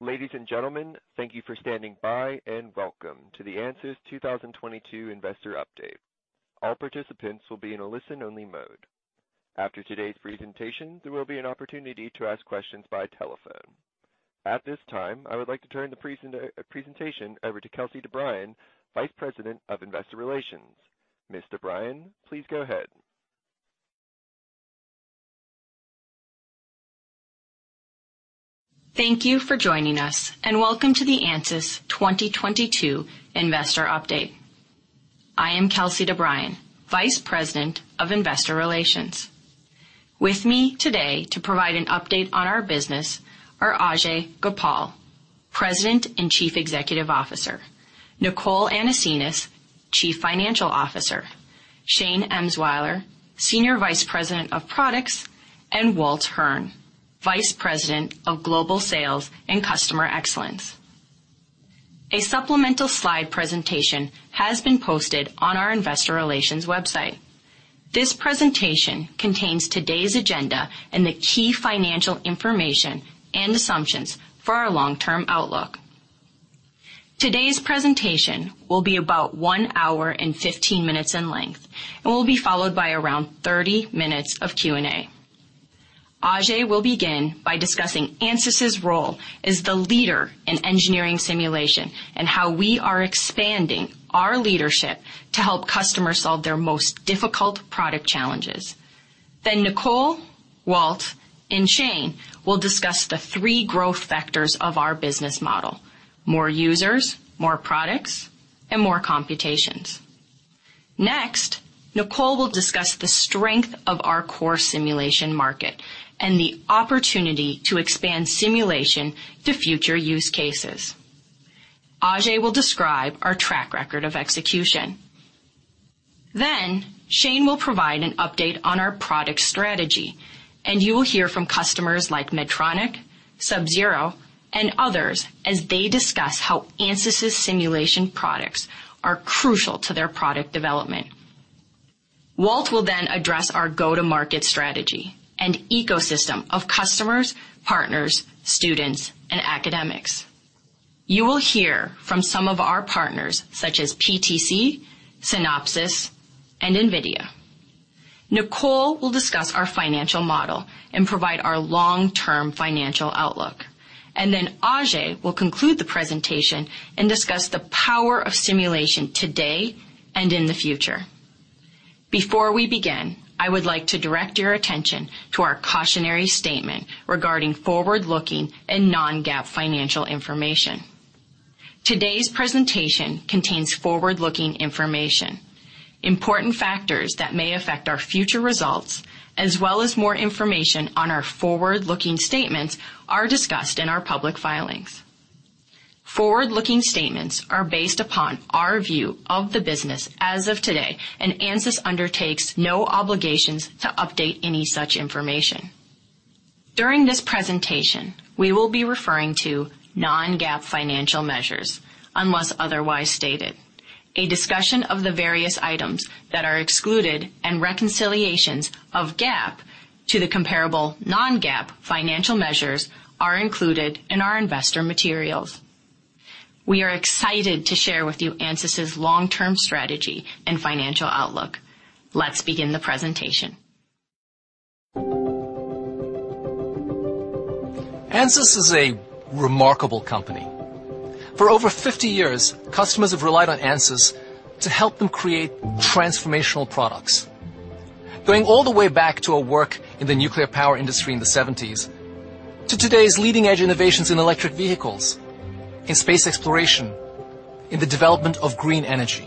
Ladies and gentlemen, thank you for standing by, and welcome to the Ansys 2022 Investor Update. All participants will be in a listen-only mode. After today's presentation, there will be an opportunity to ask questions via telephone. At this time, I would like to turn the presentation over to Kelsey DeBriyn, Vice President of Investor Relations. Ms. DeBriyn, please go ahead. Thank you for joining us, and welcome to the Ansys 2022 Investor Update. I am Kelsey DeBriyn, Vice President of Investor Relations. With me today to provide an update on our business are Ajei Gopal, President and Chief Executive Officer, Nicole Anasenes, Chief Financial Officer, Shane Emswiler, Senior Vice President of Products, and Walt Hearn, Vice President of Global Sales and Customer Excellence. A supplemental slide presentation has been posted on our investor relations website. This presentation contains today's agenda and the key financial information and assumptions for our long-term outlook. Today's presentation will be about 1 hour and 15 minutes in length and will be followed by around 30 minutes of Q&A. Ajei will begin by discussing Ansys' role as the leader in engineering simulation and how we are expanding our leadership to help customers solve their most difficult product challenges. Nicole, Walt, and Shane will discuss the three growth factors of our business model, more users, more products, and more computations. Next, Nicole will discuss the strength of our core simulation market and the opportunity to expand simulation to future use cases. Ajei will describe our track record of execution. Shane will provide an update on our product strategy, and you will hear from customers like Medtronic, Sub-Zero, and others as they discuss how Ansys' simulation products are crucial to their product development. Walt will then address our go-to-market strategy and ecosystem of customers, partners, students, and academics. You will hear from some of our partners, such as PTC, Synopsys, and NVIDIA. Nicole will discuss our financial model and provide our long-term financial outlook. Ajei will conclude the presentation and discuss the power of simulation today and in the future. Before we begin, I would like to direct your attention to our cautionary statement regarding forward-looking and non-GAAP financial information. Today's presentation contains forward-looking information. Important factors that may affect our future results as well as more information on our forward-looking statements are discussed in our public filings. Forward-looking statements are based upon our view of the business as of today, and Ansys undertakes no obligations to update any such information. During this presentation, we will be referring to non-GAAP financial measures unless otherwise stated. A discussion of the various items that are excluded and reconciliations of GAAP to the comparable non-GAAP financial measures are included in our investor materials. We are excited to share with you Ansys' long-term strategy and financial outlook. Let's begin the presentation. Ansys is a remarkable company. For over 50 years, customers have relied on Ansys to help them create transformational products. Going all the way back to our work in the nuclear power industry in the 1970s, to today's leading-edge innovations in electric vehicles, in space exploration, in the development of green energy.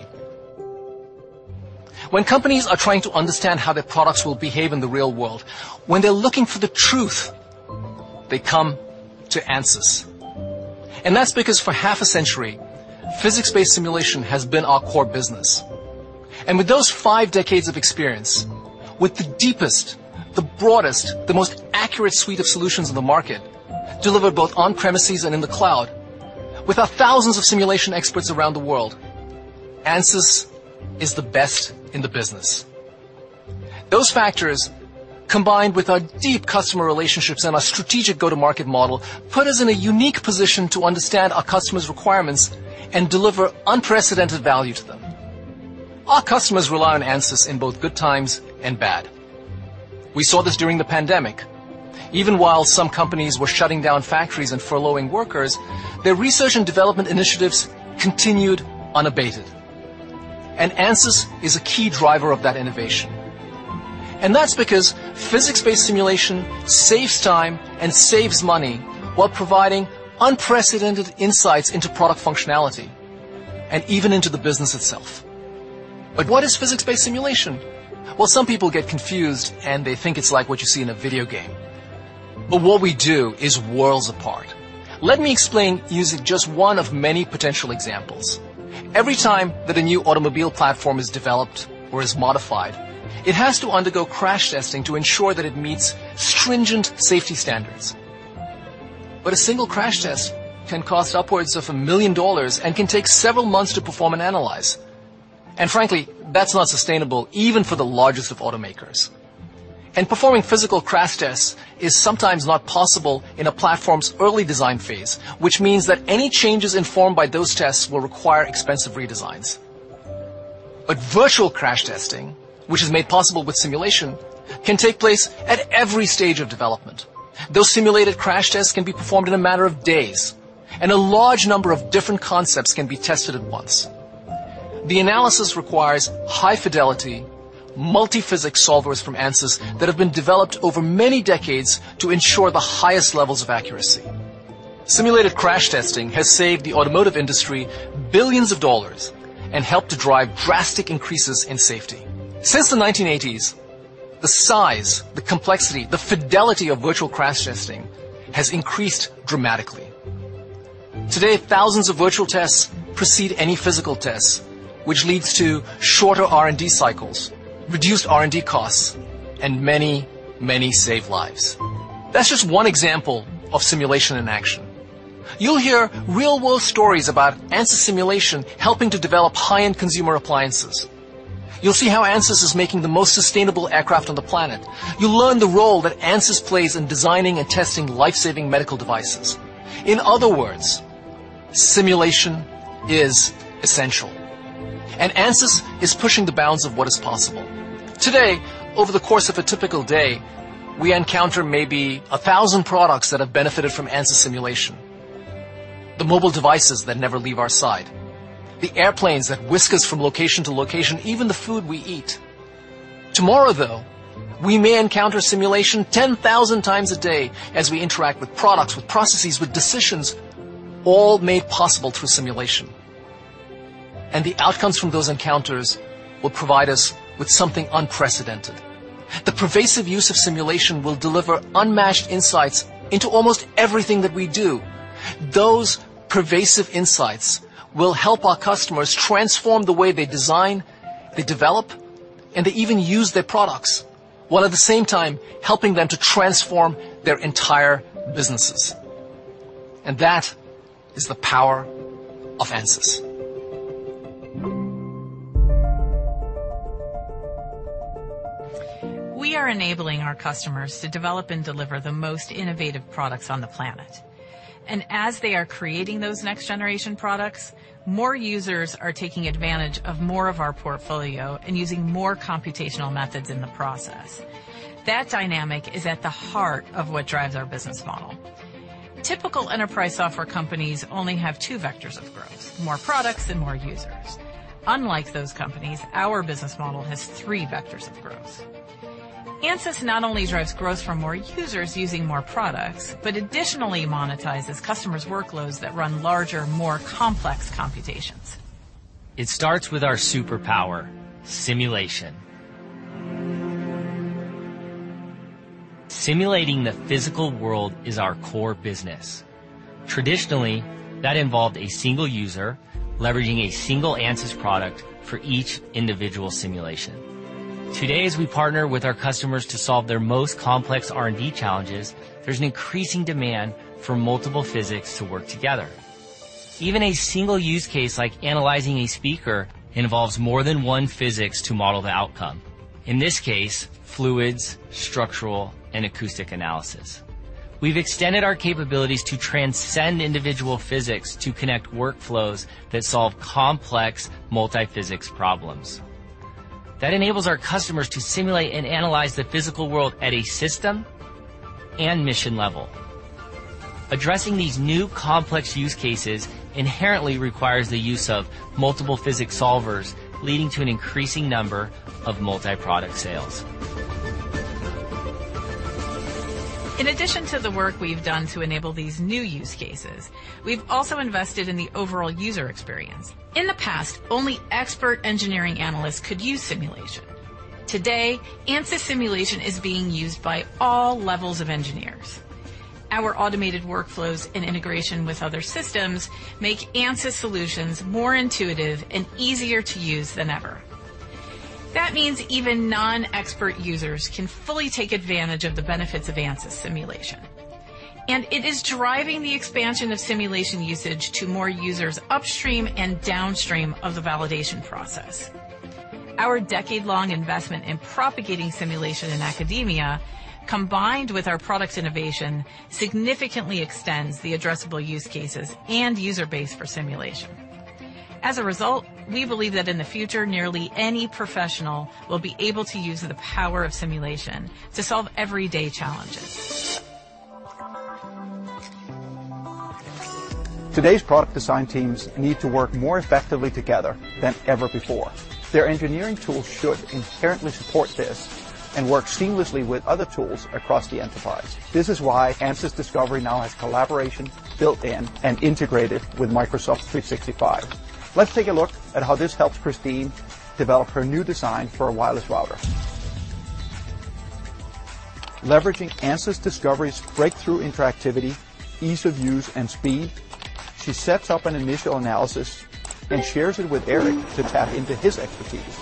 When companies are trying to understand how their products will behave in the real world, when they're looking for the truth, they come to Ansys. That's because for half a century, physics-based simulation has been our core business. With those five decades of experience, with the deepest, the broadest, the most accurate suite of solutions in the market, delivered both on premises and in the cloud, with our thousands of simulation experts around the world, Ansys is the best in the business. Those factors, combined with our deep customer relationships and our strategic go-to-market model, put us in a unique position to understand our customers' requirements and deliver unprecedented value to them. Our customers rely on Ansys in both good times and bad. We saw this during the pandemic. Even while some companies were shutting down factories and furloughing workers, their research and development initiatives continued unabated. Ansys is a key driver of that innovation. That's because physics-based simulation saves time and saves money while providing unprecedented insights into product functionality and even into the business itself. What is physics-based simulation? Well, some people get confused, and they think it's like what you see in a video game, but what we do is worlds apart. Let me explain using just one of many potential examples. Every time that a new automobile platform is developed or is modified, it has to undergo crash testing to ensure that it meets stringent safety standards. A single crash test can cost upwards of $1 million and can take several months to perform and analyze. Frankly, that's not sustainable even for the largest of automakers. Performing physical crash tests is sometimes not possible in a platform's early design phase, which means that any changes informed by those tests will require expensive redesigns. Virtual crash testing, which is made possible with simulation, can take place at every stage of development. Those simulated crash tests can be performed in a matter of days, and a large number of different concepts can be tested at once. The analysis requires high-fidelity, multi-physics solvers from Ansys that have been developed over many decades to ensure the highest levels of accuracy. Simulated crash testing has saved the automotive industry billions of dollars and helped to drive drastic increases in safety. Since the 1980s, the size, the complexity, the fidelity of virtual crash testing has increased dramatically. Today, thousands of virtual tests precede any physical tests, which leads to shorter R&D cycles, reduced R&D costs, and many, many saved lives. That's just one example of simulation in action. You'll hear real-world stories about Ansys simulation helping to develop high-end consumer appliances. You'll see how Ansys is making the most sustainable aircraft on the planet. You'll learn the role that Ansys plays in designing and testing life-saving medical devices. In other words, simulation is essential, and Ansys is pushing the bounds of what is possible. Today, over the course of a typical day, we encounter maybe 1,000 products that have benefited from Ansys simulation. The mobile devices that never leave our side, the airplanes that whisk us from location to location, even the food we eat. Tomorrow, though, we may encounter simulation 10,000x a day as we interact with products, with processes, with decisions all made possible through simulation. The outcomes from those encounters will provide us with something unprecedented. The pervasive use of simulation will deliver unmatched insights into almost everything that we do. Those pervasive insights will help our customers transform the way they design, they develop, and they even use their products, while at the same time helping them to transform their entire businesses. That is the power of Ansys. We are enabling our customers to develop and deliver the most innovative products on the planet. As they are creating those next-generation products, more users are taking advantage of more of our portfolio and using more computational methods in the process. That dynamic is at the heart of what drives our business model. Typical enterprise software companies only have two vectors of growth, more products and more users. Unlike those companies, our business model has three vectors of growth. Ansys not only drives growth from more users using more products, but additionally monetizes customers' workloads that run larger, more complex computations. It starts with our superpower: simulation. Simulating the physical world is our core business. Traditionally, that involved a single user leveraging a single Ansys product for each individual simulation. Today, as we partner with our customers to solve their most complex R&D challenges, there's an increasing demand for multiple physics to work together. Even a single use case like analyzing a speaker involves more than one physics to model the outcome. In this case, fluids, structural, and acoustic analysis. We've extended our capabilities to transcend individual physics to connect workflows that solve complex multi-physics problems. That enables our customers to simulate and analyze the physical world at a system and mission level. Addressing these new complex use cases inherently requires the use of multiple physics solvers, leading to an increasing number of multi-product sales. In addition to the work we've done to enable these new use cases, we've also invested in the overall user experience. In the past, only expert engineering analysts could use simulation. Today, Ansys simulation is being used by all levels of engineers. Our automated workflows and integration with other systems make Ansys solutions more intuitive and easier to use than ever. That means even non-expert users can fully take advantage of the benefits of Ansys simulation, and it is driving the expansion of simulation usage to more users upstream and downstream of the validation process. Our decade-long investment in propagating simulation in academia, combined with our product innovation, significantly extends the addressable use cases and user base for simulation. As a result, we believe that in the future, nearly any professional will be able to use the power of simulation to solve everyday challenges. Today's product design teams need to work more effectively together than ever before. Their engineering tools should inherently support this and work seamlessly with other tools across the enterprise. This is why Ansys Discovery now has collaboration built-in and integrated with Microsoft 365. Let's take a look at how this helps Christine develop her new design for a wireless router. Leveraging Ansys Discovery's breakthrough interactivity, ease of use, and speed, she sets up an initial analysis and shares it with Eric to tap into his expertise.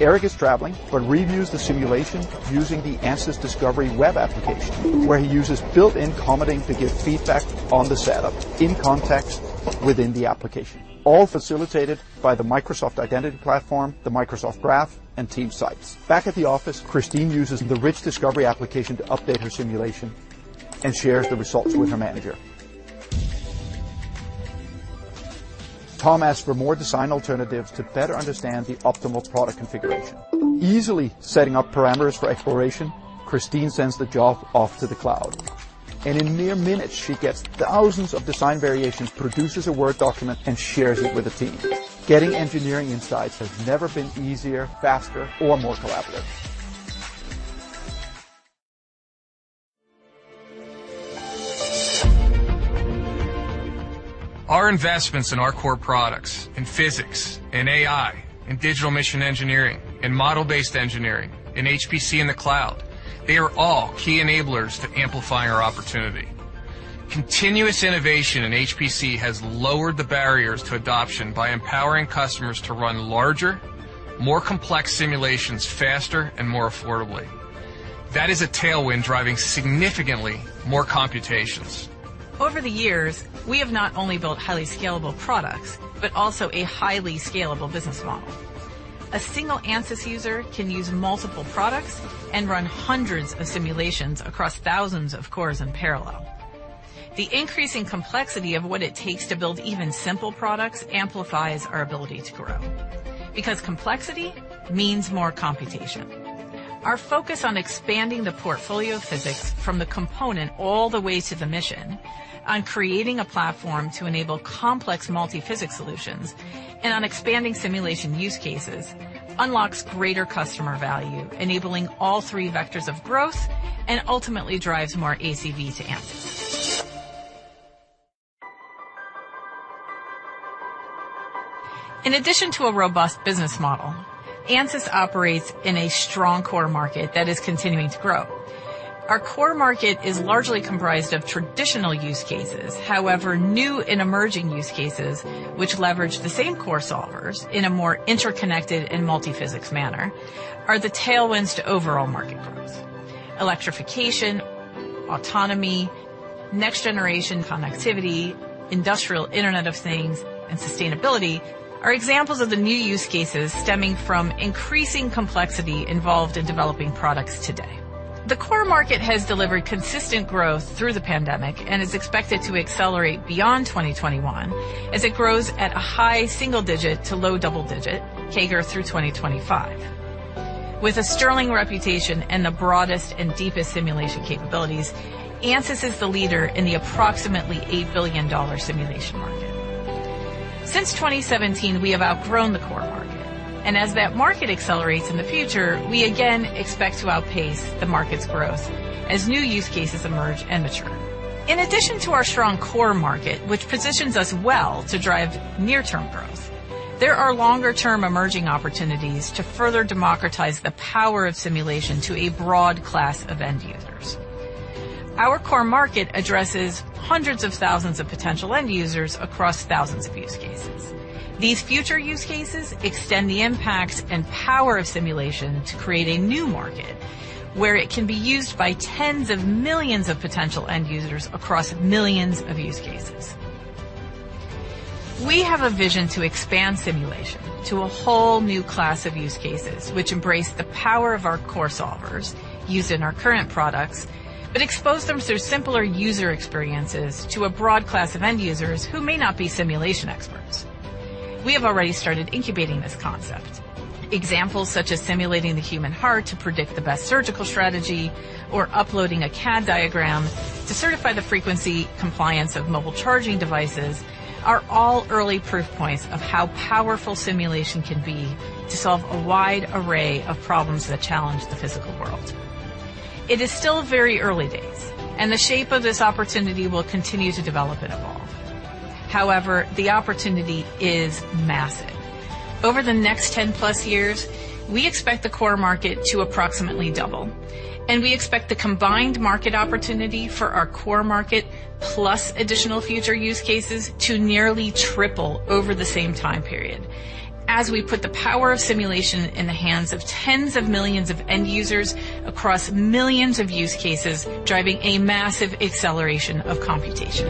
Eric is traveling, but reviews the simulation using the Ansys Discovery web application, where he uses built-in commenting to give feedback on the setup in context within the application, all facilitated by the Microsoft identity platform, the Microsoft Graph, and Teams sites. Back at the office, Christine uses the rich discovery application to update her simulation and shares the results with her manager. Tom asks for more design alternatives to better understand the optimal product configuration. Easily setting up parameters for exploration, Christine sends the job off to the cloud, and in mere minutes, she gets thousands of design variations, produces a Word document, and shares it with the team. Getting engineering insights has never been easier, faster, or more collaborative. Our investments in our core products, in physics, in AI, in digital mission engineering, in model-based engineering, in HPC in the cloud, they are all key enablers to amplify our opportunity. Continuous innovation in HPC has lowered the barriers to adoption by empowering customers to run larger, more complex simulations faster and more affordably. That is a tailwind driving significantly more computations. Over the years, we have not only built highly scalable products, but also a highly scalable business model. A single Ansys user can use multiple products and run hundreds of simulations across thousands of cores in parallel. The increasing complexity of what it takes to build even simple products amplifies our ability to grow because complexity means more computation. Our focus on expanding the portfolio of physics from the component all the way to the mission on creating a platform to enable complex multi-physics solutions and on expanding simulation use cases unlocks greater customer value, enabling all three vectors of growth and ultimately drives more ACV to Ansys. In addition to a robust business model, Ansys operates in a strong core market that is continuing to grow. Our core market is largely comprised of traditional use cases. However, new and emerging use cases which leverage the same core solvers in a more interconnected and multi-physics manner are the tailwinds to overall market growth. Electrification, autonomy, next generation connectivity, industrial Internet of Things, and sustainability are examples of the new use cases stemming from increasing complexity involved in developing products today. The core market has delivered consistent growth through the pandemic and is expected to accelerate beyond 2021 as it grows at a high single-digit to low double-digit CAGR through 2025. With a sterling reputation and the broadest and deepest simulation capabilities, Ansys is the leader in the approximately $8 billion simulation market. Since 2017, we have outgrown the core market, and as that market accelerates in the future, we again expect to outpace the market's growth as new use cases emerge and mature. In addition to our strong core market, which positions us well to drive near-term growth, there are longer-term emerging opportunities to further democratize the power of simulation to a broad class of end users. Our core market addresses hundreds of thousands of potential end users across thousands of use cases. These future use cases extend the impacts and power of simulation to create a new market where it can be used by tens of millions of potential end users across millions of use cases. We have a vision to expand simulation to a whole new class of use cases which embrace the power of our core solvers used in our current products, but expose them through simpler user experiences to a broad class of end users who may not be simulation experts. We have already started incubating this concept. Examples such as simulating the human heart to predict the best surgical strategy or uploading a CAD diagram to certify the frequency compliance of mobile charging devices are all early proof points of how powerful simulation can be to solve a wide array of problems that challenge the physical world. It is still very early days, and the shape of this opportunity will continue to develop and evolve. However, the opportunity is massive. Over the next 10+ years, we expect the core market to approximately double, and we expect the combined market opportunity for our core market plus additional future use cases to nearly triple over the same time period as we put the power of simulation in the hands of tens of millions of end users across millions of use cases, driving a massive acceleration of computation.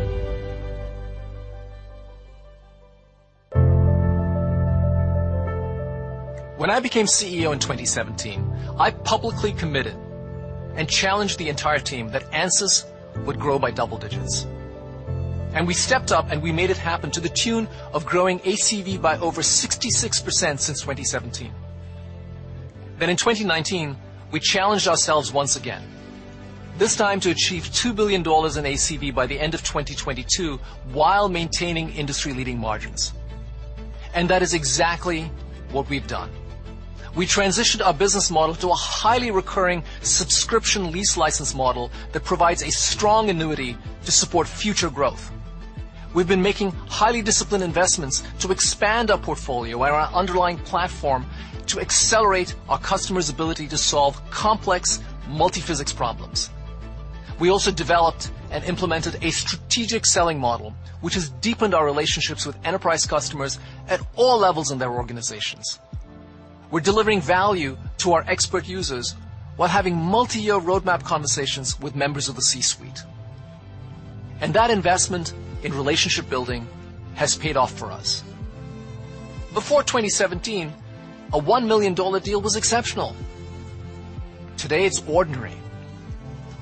When I became CEO in 2017, I publicly committed and challenged the entire team that Ansys would grow by double digits. We stepped up, and we made it happen to the tune of growing ACV by over 66% since 2017. In 2019, we challenged ourselves once again, this time to achieve $2 billion in ACV by the end of 2022 while maintaining industry-leading margins. That is exactly what we've done. We transitioned our business model to a highly recurring subscription lease license model that provides a strong annuity to support future growth. We've been making highly disciplined investments to expand our portfolio and our underlying platform to accelerate our customers' ability to solve complex multi-physics problems. We also developed and implemented a strategic selling model, which has deepened our relationships with enterprise customers at all levels in their organizations. We're delivering value to our expert users while having multi-year roadmap conversations with members of the C-suite. That investment in relationship building has paid off for us. Before 2017, a $1 million deal was exceptional. Today, it's ordinary.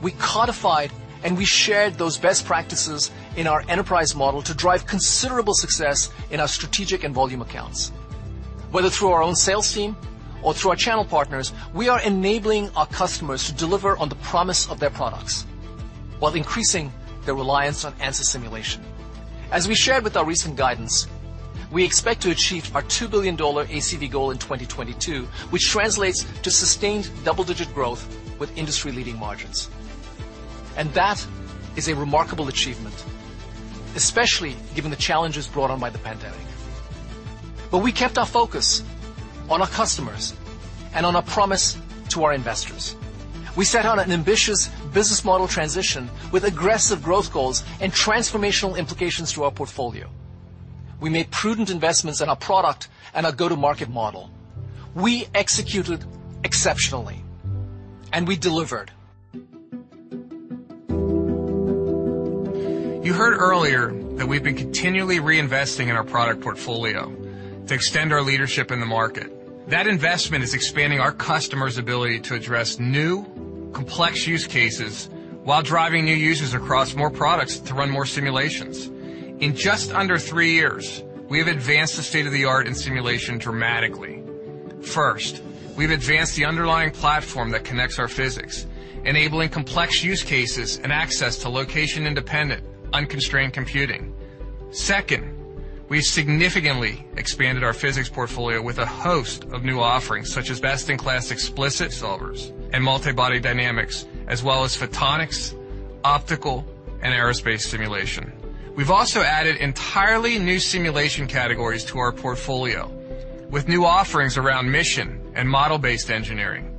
We codified and we shared those best practices in our enterprise model to drive considerable success in our strategic and volume accounts. Whether through our own sales team or through our channel partners, we are enabling our customers to deliver on the promise of their products while increasing their reliance on Ansys simulation. As we shared with our recent guidance, we expect to achieve our $2 billion ACV goal in 2022, which translates to sustained double-digit growth with industry-leading margins. That is a remarkable achievement, especially given the challenges brought on by the pandemic. We kept our focus on our customers and on our promise to our investors. We set out an ambitious business model transition with aggressive growth goals and transformational implications to our portfolio. We made prudent investments in our product and our go-to-market model. We executed exceptionally, and we delivered. You heard earlier that we've been continually reinvesting in our product portfolio to extend our leadership in the market. That investment is expanding our customers' ability to address new complex use cases while driving new users across more products to run more simulations. In just under three years, we have advanced the state-of-the-art in simulation dramatically. First, we've advanced the underlying platform that connects our physics, enabling complex use cases and access to location-independent, unconstrained computing. Second, we've significantly expanded our physics portfolio with a host of new offerings such as best-in-class explicit solvers and multi-body dynamics, as well as photonics, optical, and aerospace simulation. We've also added entirely new simulation categories to our portfolio with new offerings around mission and model-based engineering,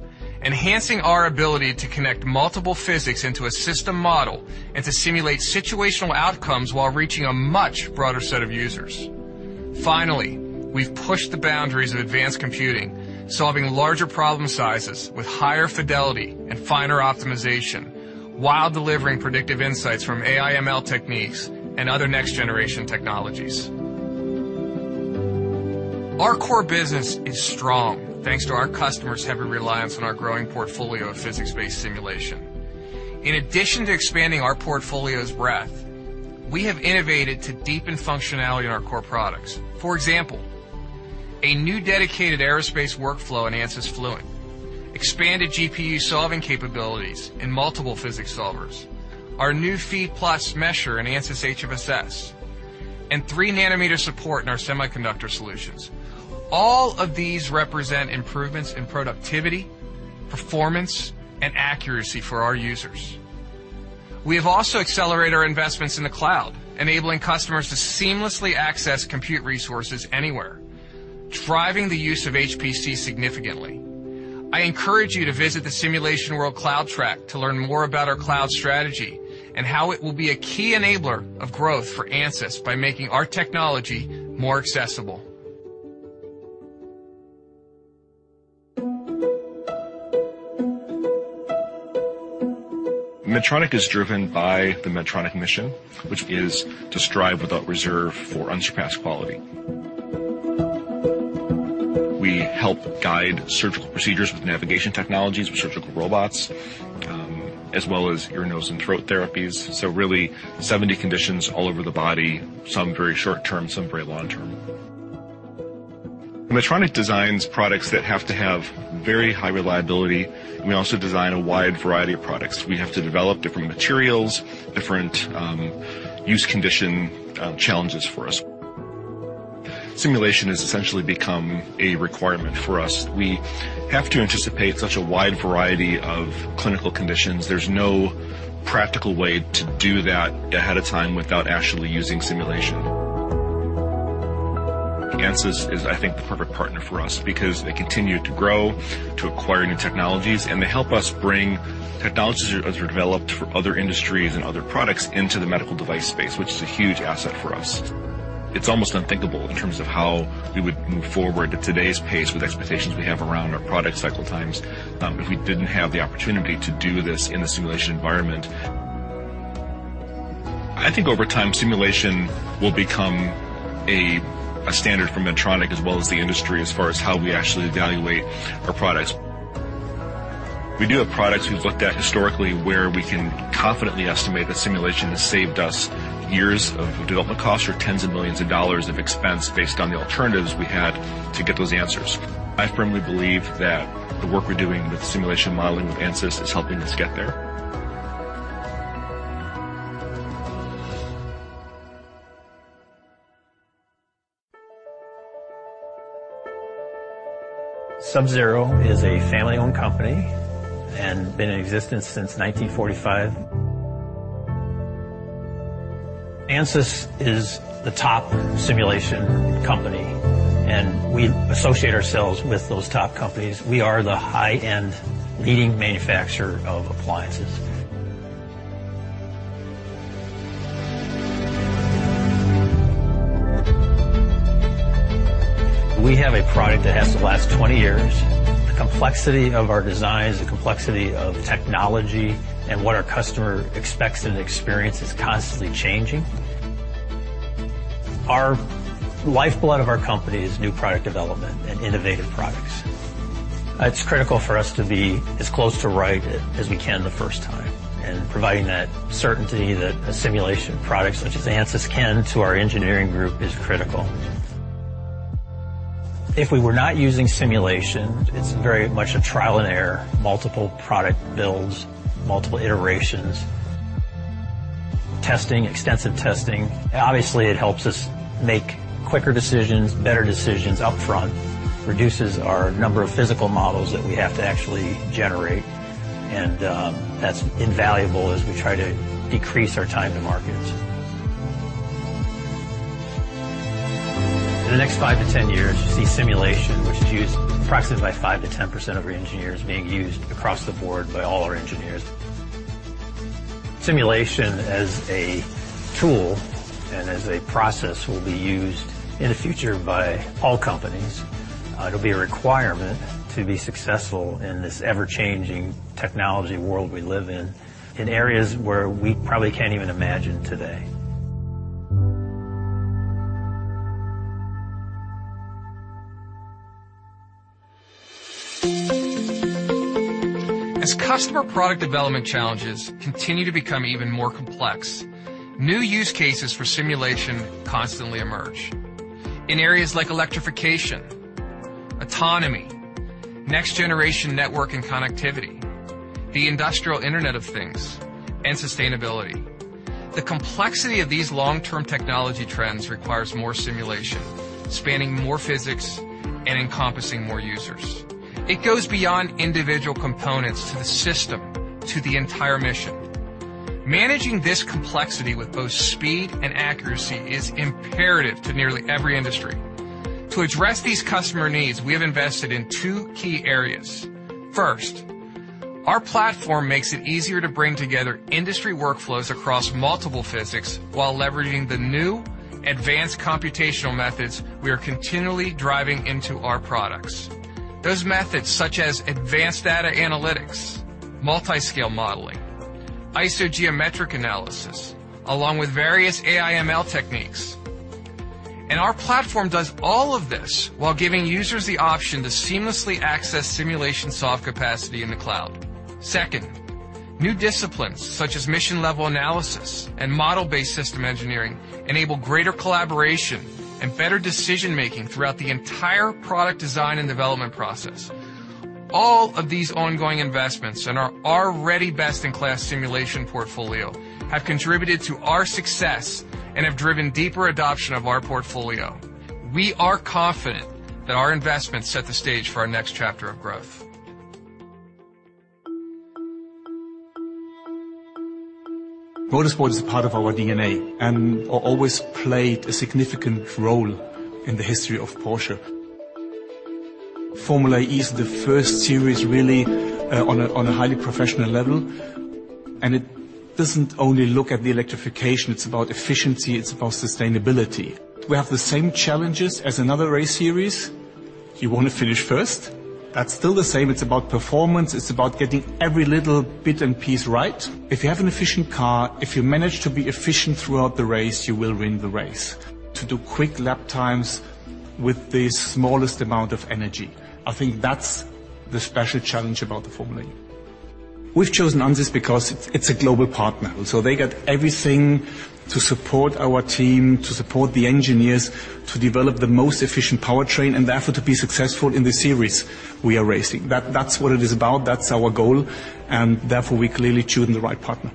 enhancing our ability to connect multiple physics into a system model and to simulate situational outcomes while reaching a much broader set of users. Finally, we've pushed the boundaries of advanced computing, solving larger problem sizes with higher fidelity and finer optimization while delivering predictive insights from AI ML techniques and other next-generation technologies. Our core business is strong, thanks to our customers' heavy reliance on our growing portfolio of physics-based simulation. In addition to expanding our portfolio's breadth, we have innovated to deepen functionality in our core products. For example, a new dedicated aerospace workflow in Ansys Fluent, expanded GPU solving capabilities in multiple physics solvers, our new Phi Plus mesher in Ansys HFSS, and 3 nanometer support in our semiconductor solutions. All of these represent improvements in productivity, performance, and accuracy for our users. We have also accelerated our investments in the cloud, enabling customers to seamlessly access compute resources anywhere, driving the use of HPC significantly. I encourage you to visit the Simulation World Cloud track to learn more about our cloud strategy and how it will be a key enabler of growth for Ansys by making our technology more accessible. Medtronic is driven by the Medtronic mission, which is to strive without reserve for unsurpassed quality. We help guide surgical procedures with navigation technologies with surgical robots, as well as ear, nose, and throat therapies. Really 70 conditions all over the body. Some very short term, some very long term. Medtronic designs products that have to have very high reliability. We also design a wide variety of products. We have to develop different materials, different use condition challenges for us. Simulation has essentially become a requirement for us. We have to anticipate such a wide variety of clinical conditions. There's no practical way to do that ahead of time without actually using simulation. Ansys is, I think, the perfect partner for us because they continue to grow, to acquire new technologies, and they help us bring technologies that are developed for other industries and other products into the medical device space, which is a huge asset for us. It's almost unthinkable in terms of how we would move forward at today's pace with expectations we have around our product cycle times, if we didn't have the opportunity to do this in the simulation environment. I think over time, simulation will become a standard for Medtronic as well as the industry as far as how we actually evaluate our products. We do have products we've looked at historically where we can confidently estimate that simulation has saved us years of development costs or $10s of millions of dollars of expense based on the alternatives we had to get those answers. I firmly believe that the work we're doing with simulation modeling with Ansys is helping us get there. Sub-Zero is a family-owned company and been in existence since 1945. Ansys is the top simulation company, and we associate ourselves with those top companies. We are the high-end leading manufacturer of appliances. We have a product that has to last 20 years. The complexity of our designs, the complexity of technology, and what our customer expects and experiences is constantly changing. Our lifeblood of our company is new product development and innovative products. It's critical for us to be as close to right as we can the first time, and providing that certainty that the simulation products such as Ansys can to our engineering group is critical. If we were not using simulation, it's very much a trial and error, multiple product builds, multiple iterations, testing, extensive testing. Obviously, it helps us make quicker decisions, better decisions upfront. Reduces our number of physical models that we have to actually generate, and that's invaluable as we try to decrease our time to markets. In the next five to 10 years, we see simulation, which is used approximately by 5%-10% of our engineers, being used across the board by all our engineers. Simulation as a tool and as a process will be used in the future by all companies. It'll be a requirement to be successful in this ever-changing technology world we live in areas where we probably can't even imagine today. As customer product development challenges continue to become even more complex, new use cases for simulation constantly emerge. In areas like electrification, autonomy, next generation network and connectivity, the industrial Internet of Things, and sustainability. The complexity of these long-term technology trends requires more simulation, spanning more physics and encompassing more users. It goes beyond individual components to the system, to the entire mission. Managing this complexity with both speed and accuracy is imperative to nearly every industry. To address these customer needs, we have invested in two key areas. First, our platform makes it easier to bring together industry workflows across multiple physics while leveraging the new advanced computational methods we are continually driving into our products. Those methods, such as advanced data analytics, multi-scale modeling, isogeometric analysis, along with various AI ML techniques. Our platform does all of this while giving users the option to seamlessly access simulation solve capacity in the cloud. Second, new disciplines such as mission-level analysis and model-based system engineering enable greater collaboration and better decision-making throughout the entire product design and development process. All of these ongoing investments in our already best-in-class simulation portfolio have contributed to our success and have driven deeper adoption of our portfolio. We are confident that our investments set the stage for our next chapter of growth. Motorsport is a part of our DNA and always played a significant role in the history of Porsche. Formula E is the first series really on a highly professional level, and it doesn't only look at the electrification, it's about efficiency, it's about sustainability. We have the same challenges as another race series. You wanna finish first. That's still the same. It's about performance. It's about getting every little bit and piece right. If you have an efficient car, if you manage to be efficient throughout the race, you will win the race. To do quick lap times with the smallest amount of energy, I think that's the special challenge about the Formula E. We've chosen Ansys because it's a global partner, so they get everything to support our team, to support the engineers to develop the most efficient powertrain, and therefore to be successful in the series we are racing. That's what it is about, that's our goal, and therefore we clearly chosen the right partner.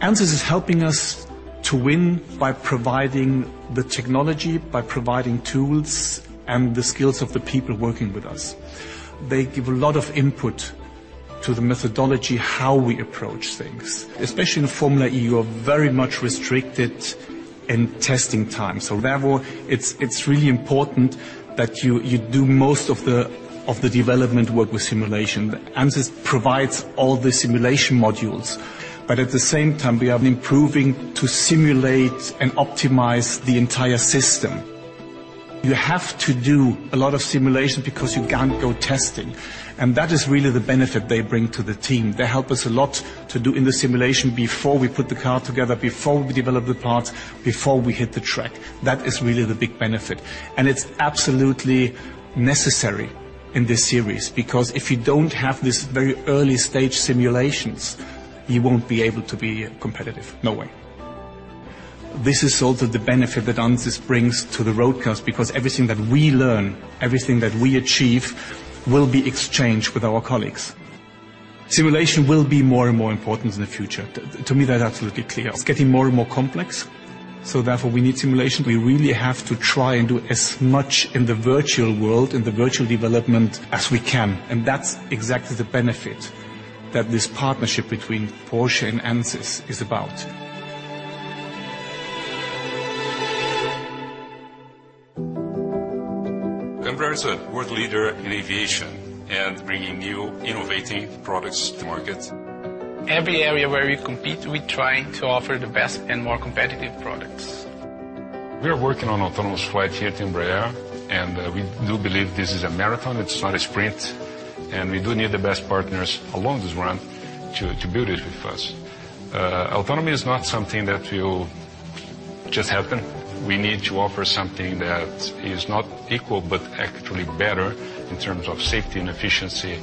Ansys is helping us to win by providing the technology, by providing tools and the skills of the people working with us. They give a lot of input to the methodology, how we approach things. Especially in the Formula E, you are very much restricted in testing time. Therefore, it's really important that you do most of the development work with simulation. Ansys provides all the simulation modules, but at the same time, we have been improving to simulate and optimize the entire system. You have to do a lot of simulation because you can't go testing, and that is really the benefit they bring to the team. They help us a lot to do in the simulation before we put the car together, before we develop the parts, before we hit the track. That is really the big benefit, and it's absolutely necessary in this series, because if you don't have this very early-stage simulations, you won't be able to be competitive. No way. This is also the benefit that Ansys brings to the road cars, because everything that we learn, everything that we achieve will be exchanged with our colleagues. Simulation will be more and more important in the future. To me, that's absolutely clear. It's getting more and more complex. Therefore we need simulation. We really have to try and do as much in the virtual world, in the virtual development as we can. That's exactly the benefit that this partnership between Porsche and Ansys is about. Embraer is a world leader in aviation and bringing new innovative products to market. Every area where we compete, we try to offer the best and more competitive products. We are working on autonomous flight here at Embraer, and we do believe this is a marathon, it's not a sprint, and we do need the best partners along this run to build it with us. Autonomy is not something that will just happen. We need to offer something that is not equal, but actually better in terms of safety and efficiency.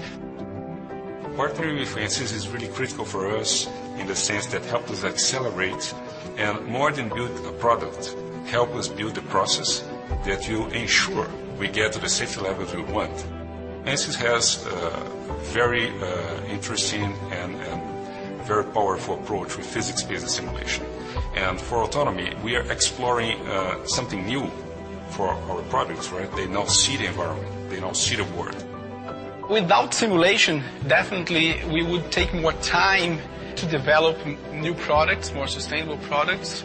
Partnering with Ansys is really critical for us in the sense that help us accelerate and more than build a product, help us build a process that will ensure we get to the safety levels we want. Ansys has a very interesting and very powerful approach with physics-based simulation. For autonomy, we are exploring something new for our products, right? They don't see the environment. They don't see the world. Without simulation, definitely we would take more time to develop new products, more sustainable products.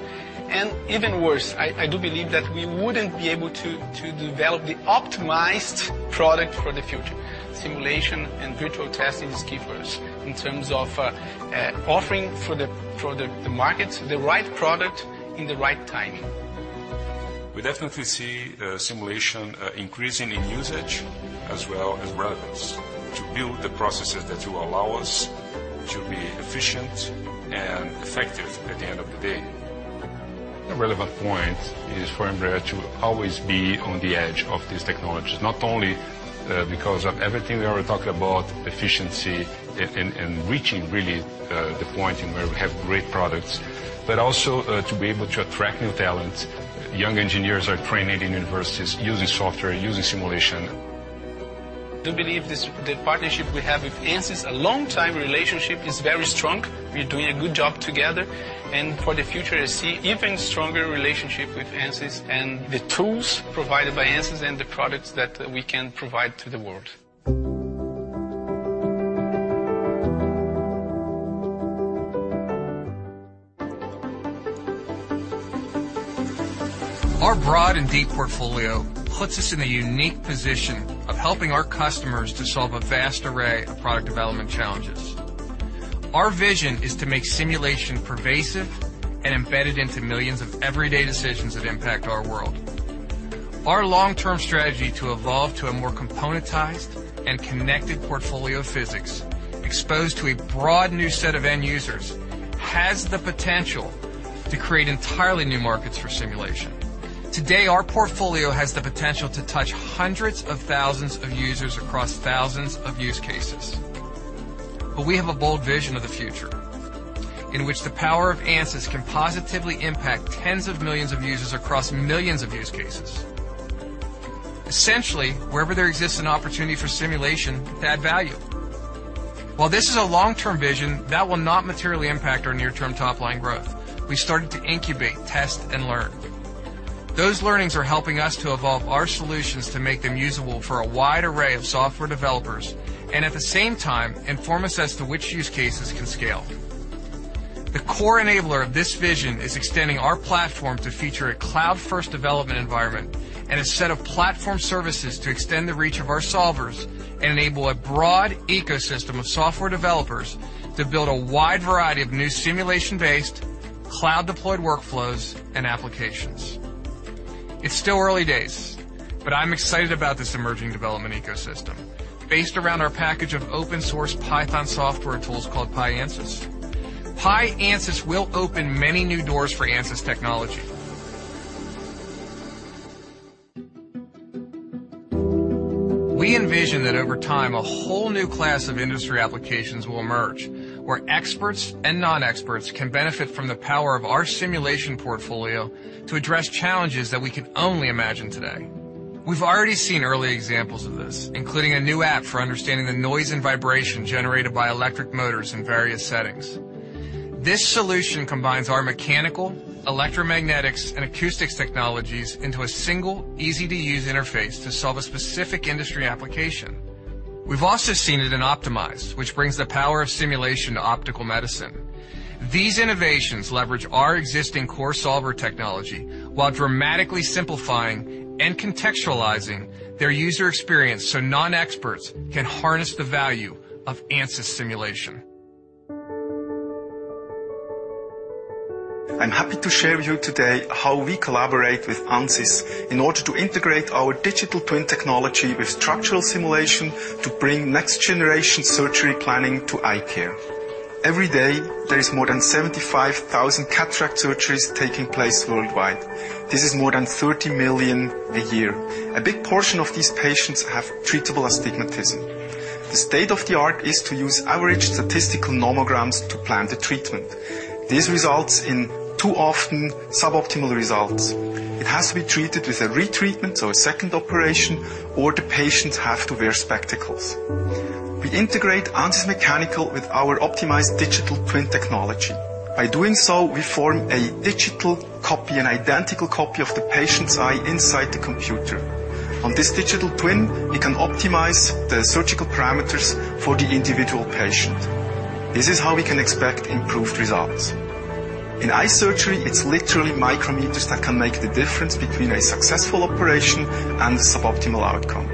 Even worse, I do believe that we wouldn't be able to to develop the optimized product for the future. Simulation and virtual testing is key for us in terms of offering for the market, the right product in the right timing. We definitely see simulation increasing in usage as well as relevance to build the processes that will allow us to be efficient and effective at the end of the day. A relevant point is for Embraer to always be on the edge of these technologies, not only because of everything we already talked about, efficiency and reaching really the point in where we have great products, but also to be able to attract new talent. Young engineers are trained in universities using software, using simulation. I do believe the partnership we have with Ansys, a long time relationship, is very strong. We're doing a good job together, and for the future, I see even stronger relationship with Ansys and the tools provided by Ansys and the products that we can provide to the world. Our broad and deep portfolio puts us in a unique position of helping our customers to solve a vast array of product development challenges. Our vision is to make simulation pervasive and embedded into millions of everyday decisions that impact our world. Our long-term strategy to evolve to a more componentized and connected portfolio of physics exposed to a broad new set of end users has the potential to create entirely new markets for simulation. Today, our portfolio has the potential to touch hundreds of thousands of users across thousands of use cases. We have a bold vision of the future in which the power of Ansys can positively impact tens of millions of users across millions of use cases. Essentially, wherever there exists an opportunity for simulation to add value. While this is a long-term vision, that will not materially impact our near-term top-line growth. We started to incubate, test, and learn. Those learnings are helping us to evolve our solutions to make them usable for a wide array of software developers, and at the same time inform us as to which use cases can scale. The core enabler of this vision is extending our platform to feature a cloud-first development environment and a set of platform services to extend the reach of our solvers and enable a broad ecosystem of software developers to build a wide variety of new simulation-based, cloud-deployed workflows and applications. It's still early days, but I'm excited about this emerging development ecosystem. Based around our package of open source Python software tools called PyAnsys. PyAnsys will open many new doors for Ansys technology. We envision that over time, a whole new class of industry applications will emerge where experts and non-experts can benefit from the power of our simulation portfolio to address challenges that we can only imagine today. We've already seen early examples of this, including a new app for understanding the noise and vibration generated by electric motors in various settings. This solution combines our mechanical, electromagnetics, and acoustics technologies into a single easy-to-use interface to solve a specific industry application. We've also seen it in Optimeyes, which brings the power of simulation to optical medicine. These innovations leverage our existing core solver technology while dramatically simplifying and contextualizing their user experience so non-experts can harness the value of Ansys simulation. I'm happy to share with you today how we collaborate with Ansys in order to integrate our digital twin technology with structural simulation to bring next-generation surgery planning to eye care. Every day, there is more than 75,000 cataract surgeries taking place worldwide. This is more than 30 million a year. A big portion of these patients have treatable astigmatism. The state-of-the-art is to use average statistical nomograms to plan the treatment. This results in too often suboptimal results. It has to be treated with a retreatment or a second operation, or the patients have to wear spectacles. We integrate Ansys Mechanical with our optimized digital twin technology. By doing so, we form a digital copy, an identical copy of the patient's eye inside the computer. On this digital twin, we can optimize the surgical parameters for the individual patient. This is how we can expect improved results. In eye surgery, it's literally micrometers that can make the difference between a successful operation and suboptimal outcome.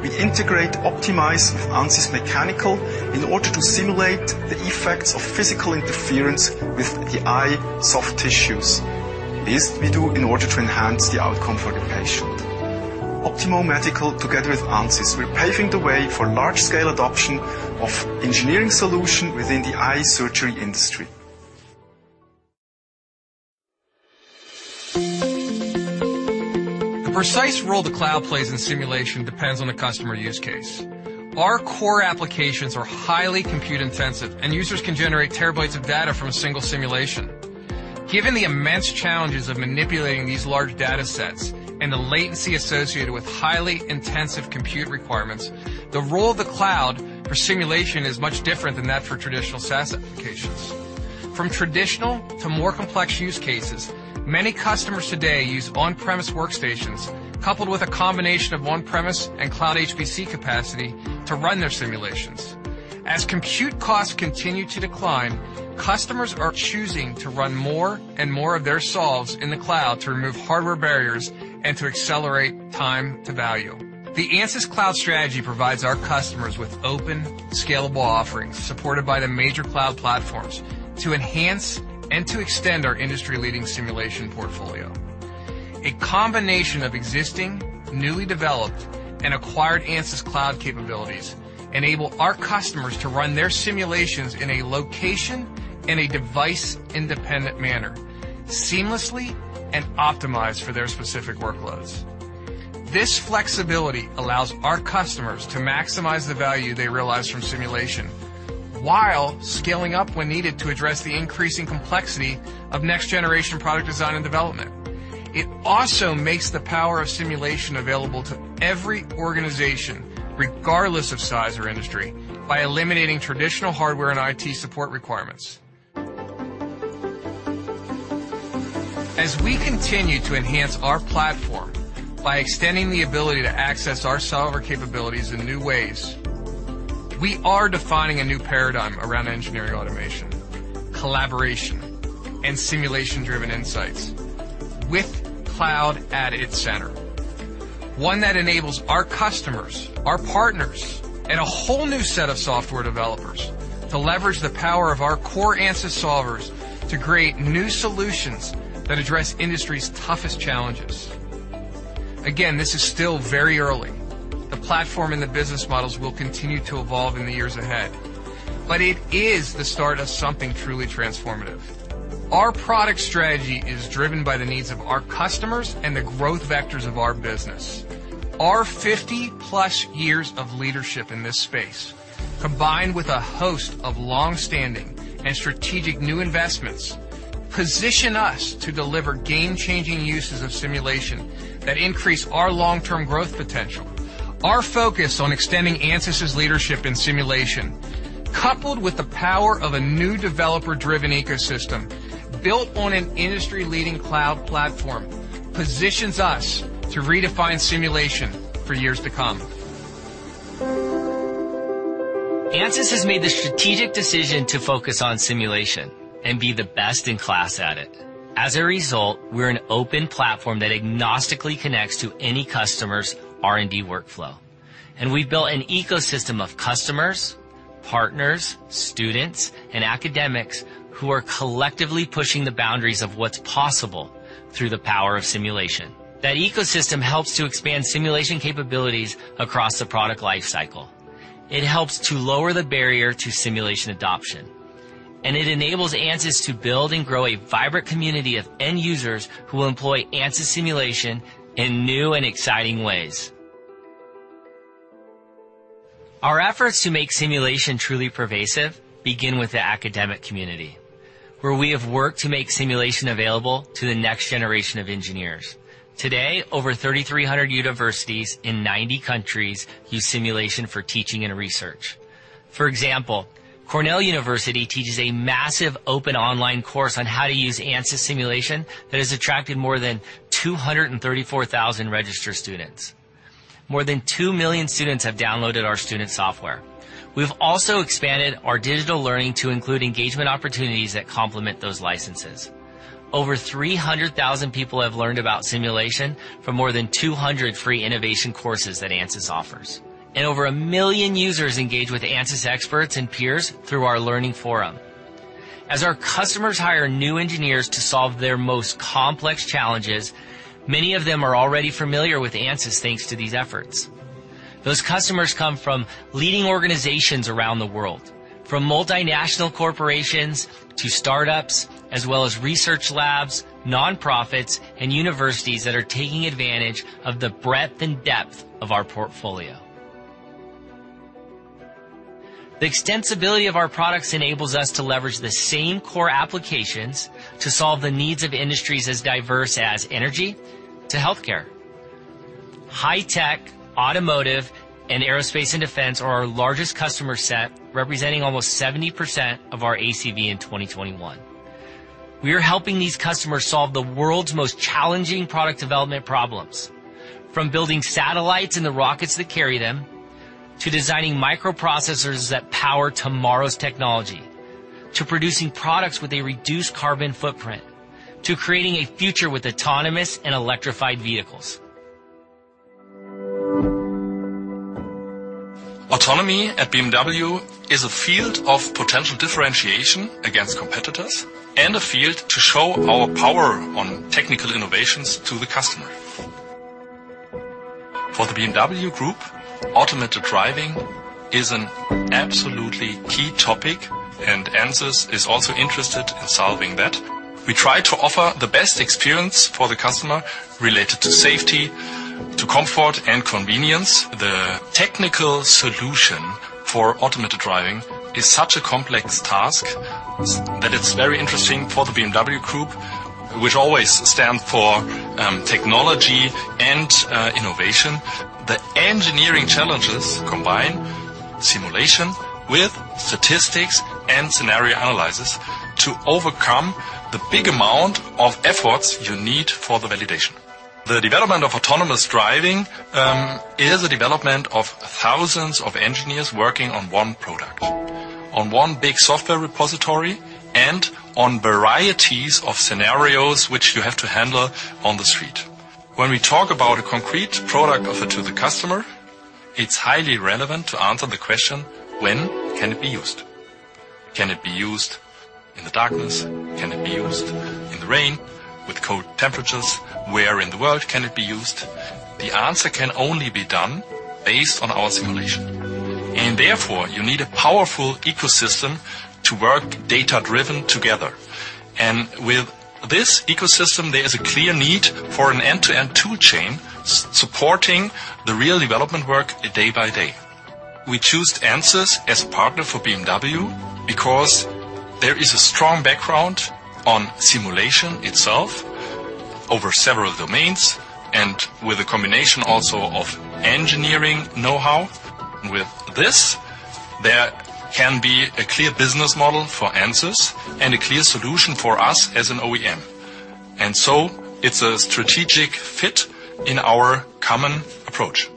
We integrate, optimize with Ansys Mechanical in order to simulate the effects of physical interference with the eye soft tissues. This we do in order to enhance the outcome for the patient. Optimo Medical, together with Ansys, we're paving the way for large-scale adoption of engineering solution within the eye surgery industry. The precise role the cloud plays in simulation depends on the customer use case. Our core applications are highly compute-intensive, and users can generate terabytes of data from a single simulation. Given the immense challenges of manipulating these large data sets and the latency associated with highly intensive compute requirements, the role of the cloud for simulation is much different than that for traditional SaaS applications. From traditional to more complex use cases, many customers today use on-premise workstations coupled with a combination of on-premise and cloud HPC capacity to run their simulations. As compute costs continue to decline, customers are choosing to run more and more of their solves in the cloud to remove hardware barriers and to accelerate time to value. The Ansys cloud strategy provides our customers with open, scalable offerings supported by the major cloud platforms to enhance and to extend our industry-leading simulation portfolio. A combination of existing, newly developed, and acquired Ansys cloud capabilities enable our customers to run their simulations in a location and a device-independent manner, seamlessly and optimized for their specific workloads. This flexibility allows our customers to maximize the value they realize from simulation while scaling up when needed to address the increasing complexity of next-generation product design and development. It also makes the power of simulation available to every organization, regardless of size or industry, by eliminating traditional hardware and IT support requirements. As we continue to enhance our platform by extending the ability to access our solver capabilities in new ways, we are defining a new paradigm around engineering automation, collaboration, and simulation-driven insights with cloud at its center. One that enables our customers, our partners, and a whole new set of software developers to leverage the power of our core Ansys solvers to create new solutions that address industry's toughest challenges. Again, this is still very early. The platform and the business models will continue to evolve in the years ahead, but it is the start of something truly transformative. Our product strategy is driven by the needs of our customers and the growth vectors of our business. Our 50+ years of leadership in this space, combined with a host of long-standing and strategic new investments, position us to deliver game-changing uses of simulation that increase our long-term growth potential. Our focus on extending Ansys' leadership in simulation, coupled with the power of a new developer-driven ecosystem built on an industry-leading cloud platform, positions us to redefine simulation for years to come. Ansys has made the strategic decision to focus on simulation and be the best-in-class at it. As a result, we're an open platform that agnostically connects to any customer's R&D workflow. We've built an ecosystem of customers, partners, students, and academics who are collectively pushing the boundaries of what's possible through the power of simulation. That ecosystem helps to expand simulation capabilities across the product life cycle. It helps to lower the barrier to simulation adoption, and it enables Ansys to build and grow a vibrant community of end users who will employ Ansys simulation in new and exciting ways. Our efforts to make simulation truly pervasive begin with the academic community, where we have worked to make simulation available to the next generation of engineers. Today, over 3,300 universities in 90 countries use simulation for teaching and research. For example, Cornell University teaches a massive open online course on how to use Ansys simulation that has attracted more than 234,000 registered students. More than 2 million students have downloaded our student software. We've also expanded our digital learning to include engagement opportunities that complement those licenses. Over 300,000 people have learned about simulation from more than 200 free innovation courses that Ansys offers. Over a million users engage with Ansys experts and peers through our learning forum. As our customers hire new engineers to solve their most complex challenges, many of them are already familiar with Ansys thanks to these efforts. Those customers come from leading organizations around the world, from multinational corporations to startups, as well as research labs, nonprofits, and universities that are taking advantage of the breadth and depth of our portfolio. The extensibility of our products enables us to leverage the same core applications to solve the needs of industries as diverse as energy to healthcare. High tech, automotive, and aerospace and defense are our largest customer set, representing almost 70% of our ACV in 2021. We are helping these customers solve the world's most challenging product development problems, from building satellites and the rockets that carry them to designing microprocessors that power tomorrow's technology, to producing products with a reduced carbon footprint, to creating a future with autonomous and electrified vehicles. Autonomy at BMW is a field of potential differentiation against competitors and a field to show our power on technical innovations to the customer. For the BMW Group, automated driving is an absolutely key topic, and Ansys is also interested in solving that. We try to offer the best experience for the customer related to safety, to comfort, and convenience. The technical solution for automated driving is such a complex task that it's very interesting for the BMW Group, which always stand for technology and innovation. The engineering challenges combine simulation with statistics and scenario analysis to overcome the big amount of efforts you need for the validation. The development of autonomous driving is a development of thousands of engineers working on one product, on one big software repository, and on varieties of scenarios which you have to handle on the street. When we talk about a concrete product offer to the customer, it's highly relevant to answer the question. When can it be used? Can it be used in the darkness? Can it be used in the rain with cold temperatures? Where in the world can it be used? The answer can only be done based on our simulation, and therefore you need a powerful ecosystem to work data-driven together. With this ecosystem, there is a clear need for an end-to-end tool chain supporting the real development work day by day. We choose Ansys as a partner for BMW because there is a strong background on simulation itself over several domains and with a combination also of engineering know-how. With this, there can be a clear business model for Ansys and a clear solution for us as an OEM. It's a strategic fit in our common approach.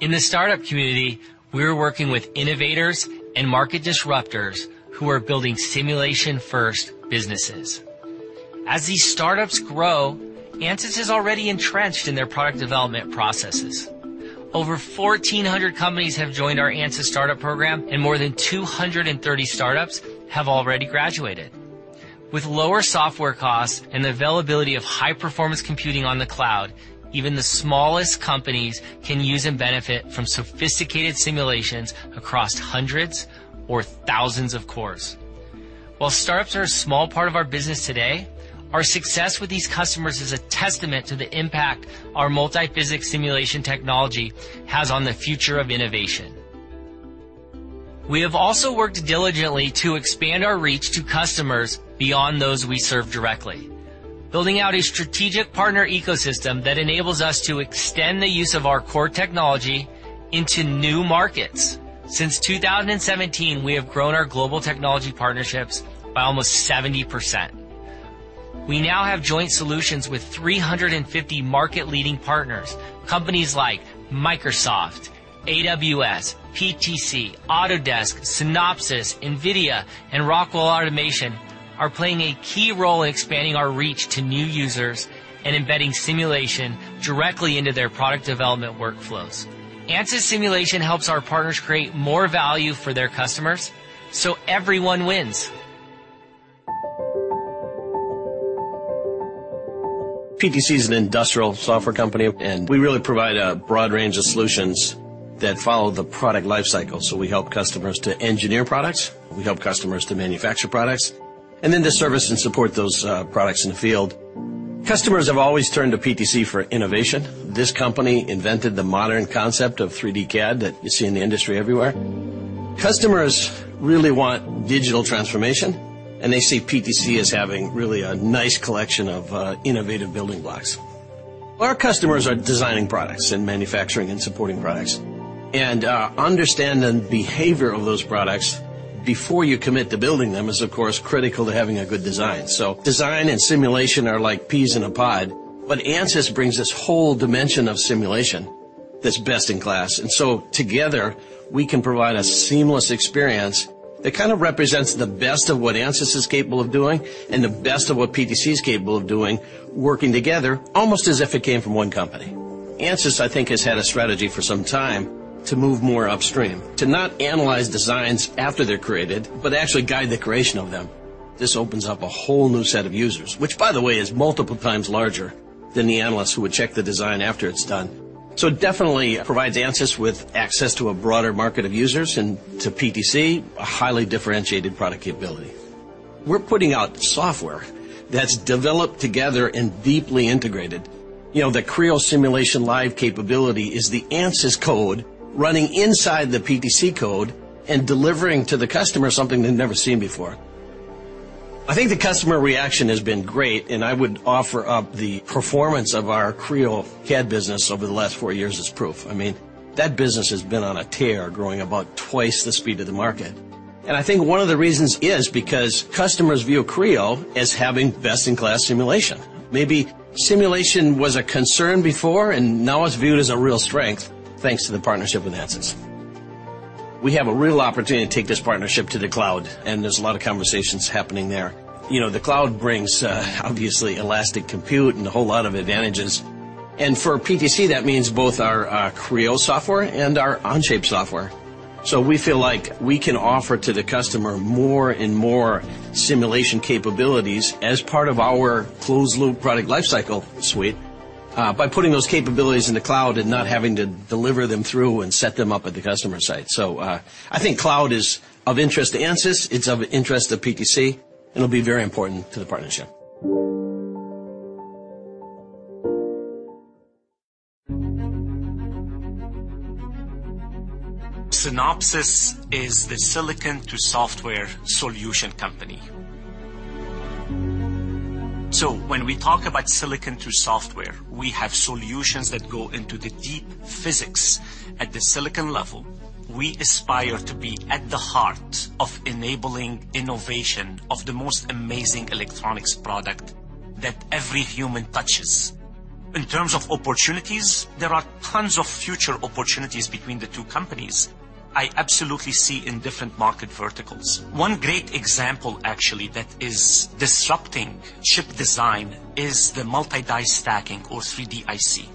In the startup community, we're working with innovators and market disruptors who are building simulation-first businesses. As these startups grow, Ansys is already entrenched in their product development processes. Over 1,400 companies have joined our Ansys Startup Program, and more than 230 startups have already graduated. With lower software costs and the availability of high-performance computing on the cloud, even the smallest companies can use and benefit from sophisticated simulations across hundreds or thousands of cores. While startups are a small part of our business today, our success with these customers is a testament to the impact our multiphysics simulation technology has on the future of innovation. We have also worked diligently to expand our reach to customers beyond those we serve directly, building out a strategic partner ecosystem that enables us to extend the use of our core technology into new markets. Since 2017, we have grown our global technology partnerships by almost 70%. We now have joint solutions with 350 market-leading partners. Companies like Microsoft, AWS, PTC, Autodesk, Synopsys, NVIDIA, and Rockwell Automation are playing a key role in expanding our reach to new users and embedding simulation directly into their product development workflows. Ansys simulation helps our partners create more value for their customers, so everyone wins. PTC is an industrial software company, and we really provide a broad range of solutions that follow the product life cycle. We help customers to engineer products, we help customers to manufacture products, and then to service and support those products in the field. Customers have always turned to PTC for innovation. This company invented the modern concept of 3D CAD that you see in the industry everywhere. Customers really want digital transformation, and they see PTC as having really a nice collection of innovative building blocks. Our customers are designing products and manufacturing and supporting products. Understanding behavior of those products before you commit to building them is, of course, critical to having a good design. Design and simulation are like peas in a pod. Ansys brings this whole dimension of simulation that's best in class. Together we can provide a seamless experience that kind of represents the best of what Ansys is capable of doing and the best of what PTC is capable of doing, working together almost as if it came from one company. Ansys, I think, has had a strategy for some time to move more upstream. To not analyze designs after they're created but actually guide the creation of them. This opens up a whole new set of users, which by the way, is multiple times larger than the analysts who would check the design after it's done. It definitely provides Ansys with access to a broader market of users and to PTC, a highly differentiated product capability. We're putting out software that's developed together and deeply integrated. You know, the Creo Simulation Live capability is the Ansys code running inside the PTC code and delivering to the customer something they've never seen before. I think the customer reaction has been great, and I would offer up the performance of our Creo CAD business over the last four years as proof. I mean, that business has been on a tear, growing about twice the speed of the market. I think one of the reasons is because customers view Creo as having best-in-class simulation. Maybe simulation was a concern before and now it's viewed as a real strength thanks to the partnership with Ansys. We have a real opportunity to take this partnership to the cloud, and there's a lot of conversations happening there. You know, the cloud brings, obviously elastic compute and a whole lot of advantages. For PTC, that means both our Creo software and our Onshape software. We feel like we can offer to the customer more and more simulation capabilities as part of our closed loop product lifecycle suite by putting those capabilities in the cloud and not having to deliver them through and set them up at the customer site. I think cloud is of interest to Ansys, it's of interest to PTC, and it'll be very important to the partnership. Synopsys is the silicon-to-software solution company. When we talk about silicon-to-software, we have solutions that go into the deep physics at the silicon level. We aspire to be at the heart of enabling innovation of the most amazing electronics product that every human touches. In terms of opportunities, there are tons of future opportunities between the two companies I absolutely see in different market verticals. One great example actually that is disrupting chip design is the multi-die stacking or 3D IC.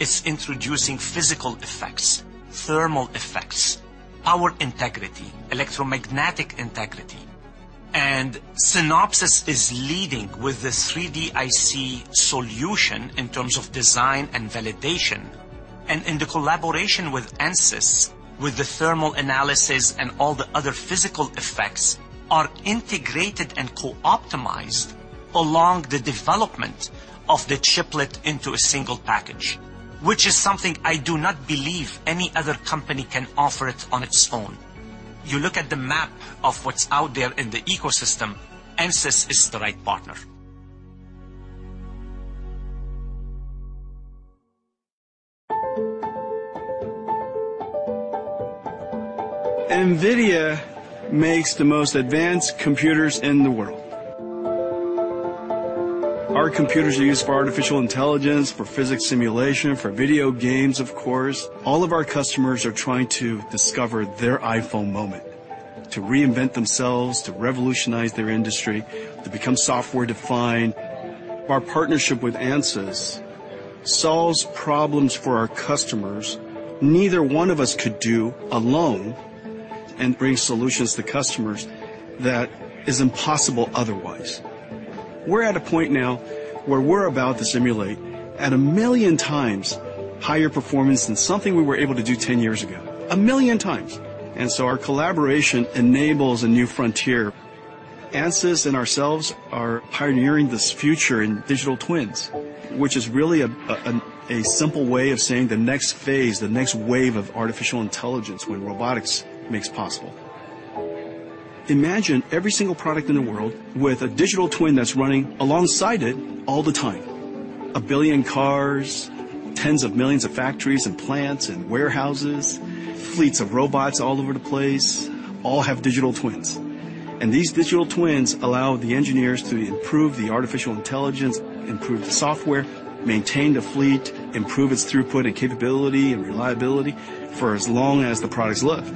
It's introducing physical effects, thermal effects, power integrity, electromagnetic integrity. Synopsys is leading with the 3D IC solution in terms of design and validation. In the collaboration with Ansys, with the thermal analysis and all the other physical effects are integrated and co-optimized along the development of the chiplet into a single package, which is something I do not believe any other company can offer it on its own. You look at the map of what's out there in the ecosystem, Ansys is the right partner. NVIDIA makes the most advanced computers in the world. Our computers are used for artificial intelligence, for physics simulation, for video games of course. All of our customers are trying to discover their iPhone moment, to reinvent themselves, to revolutionize their industry, to become software-defined. Our partnership with Ansys solves problems for our customers neither one of us could do alone and bring solutions to customers that is impossible otherwise. We're at a point now where we're about to simulate at a million times higher performance than something we were able to do 10 years ago. A million times. Our collaboration enables a new frontier. Ansys and ourselves are pioneering this future in digital twins, which is really a simple way of saying the next phase, the next wave of artificial intelligence when robotics makes possible. Imagine every single product in the world with a digital twin that's running alongside it all the time. A billion cars, tens of millions of factories and plants and warehouses, fleets of robots all over the place all have digital twins. These digital twins allow the engineers to improve the artificial intelligence, improve the software, maintain the fleet, improve its throughput and capability and reliability for as long as the products live.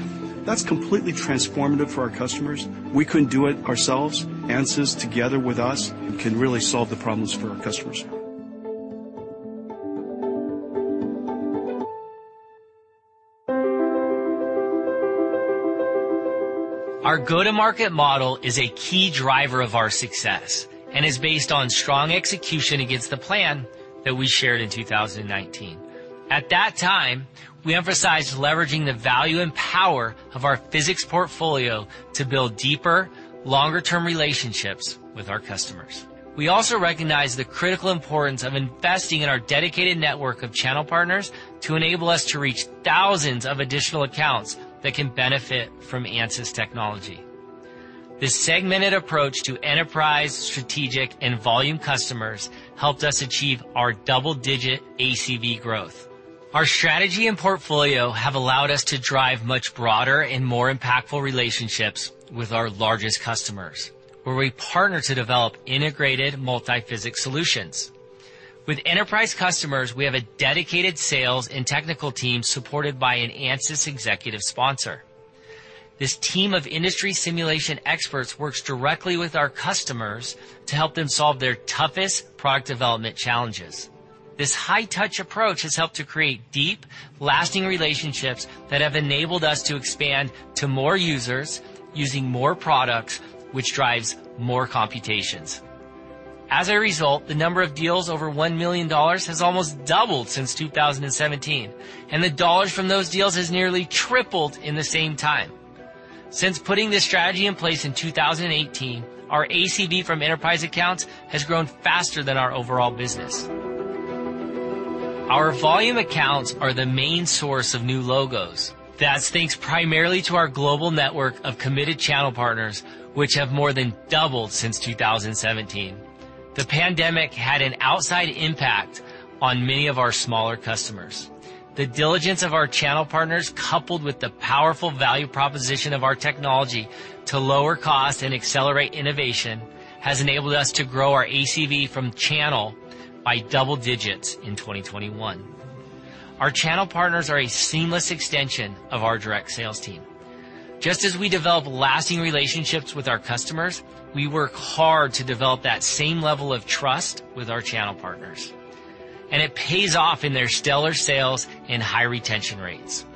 That's completely transformative for our customers. We couldn't do it ourselves. Ansys together with us can really solve the problems for our customers. Our go-to-market model is a key driver of our success and is based on strong execution against the plan that we shared in 2019. At that time, we emphasized leveraging the value and power of our physics portfolio to build deeper, longer-term relationships with our customers. We also recognize the critical importance of investing in our dedicated network of channel partners to enable us to reach thousands of additional accounts that can benefit from Ansys technology. The segmented approach to enterprise, strategic, and volume customers helped us achieve our double-digit ACV growth. Our strategy and portfolio have allowed us to drive much broader and more impactful relationships with our largest customers, where we partner to develop integrated multi-physics solutions. With enterprise customers, we have a dedicated sales and technical team supported by an Ansys executive sponsor. This team of industry simulation experts works directly with our customers to help them solve their toughest product development challenges. This high-touch approach has helped to create deep, lasting relationships that have enabled us to expand to more users using more products, which drives more computations. As a result, the number of deals over $1 million has almost doubled since 2017, and the dollars from those deals has nearly tripled in the same time. Since putting this strategy in place in 2018, our ACV from enterprise accounts has grown faster than our overall business. Our volume accounts are the main source of new logos. That's thanks primarily to our global network of committed channel partners, which have more than doubled since 2017. The pandemic had an outside impact on many of our smaller customers. The diligence of our channel partners, coupled with the powerful value proposition of our technology to lower cost and accelerate innovation, has enabled us to grow our ACV from channel by double digits in 2021. Our channel partners are a seamless extension of our direct sales team. Just as we develop lasting relationships with our customers, we work hard to develop that same level of trust with our channel partners, and it pays off in their stellar sales and high retention rates.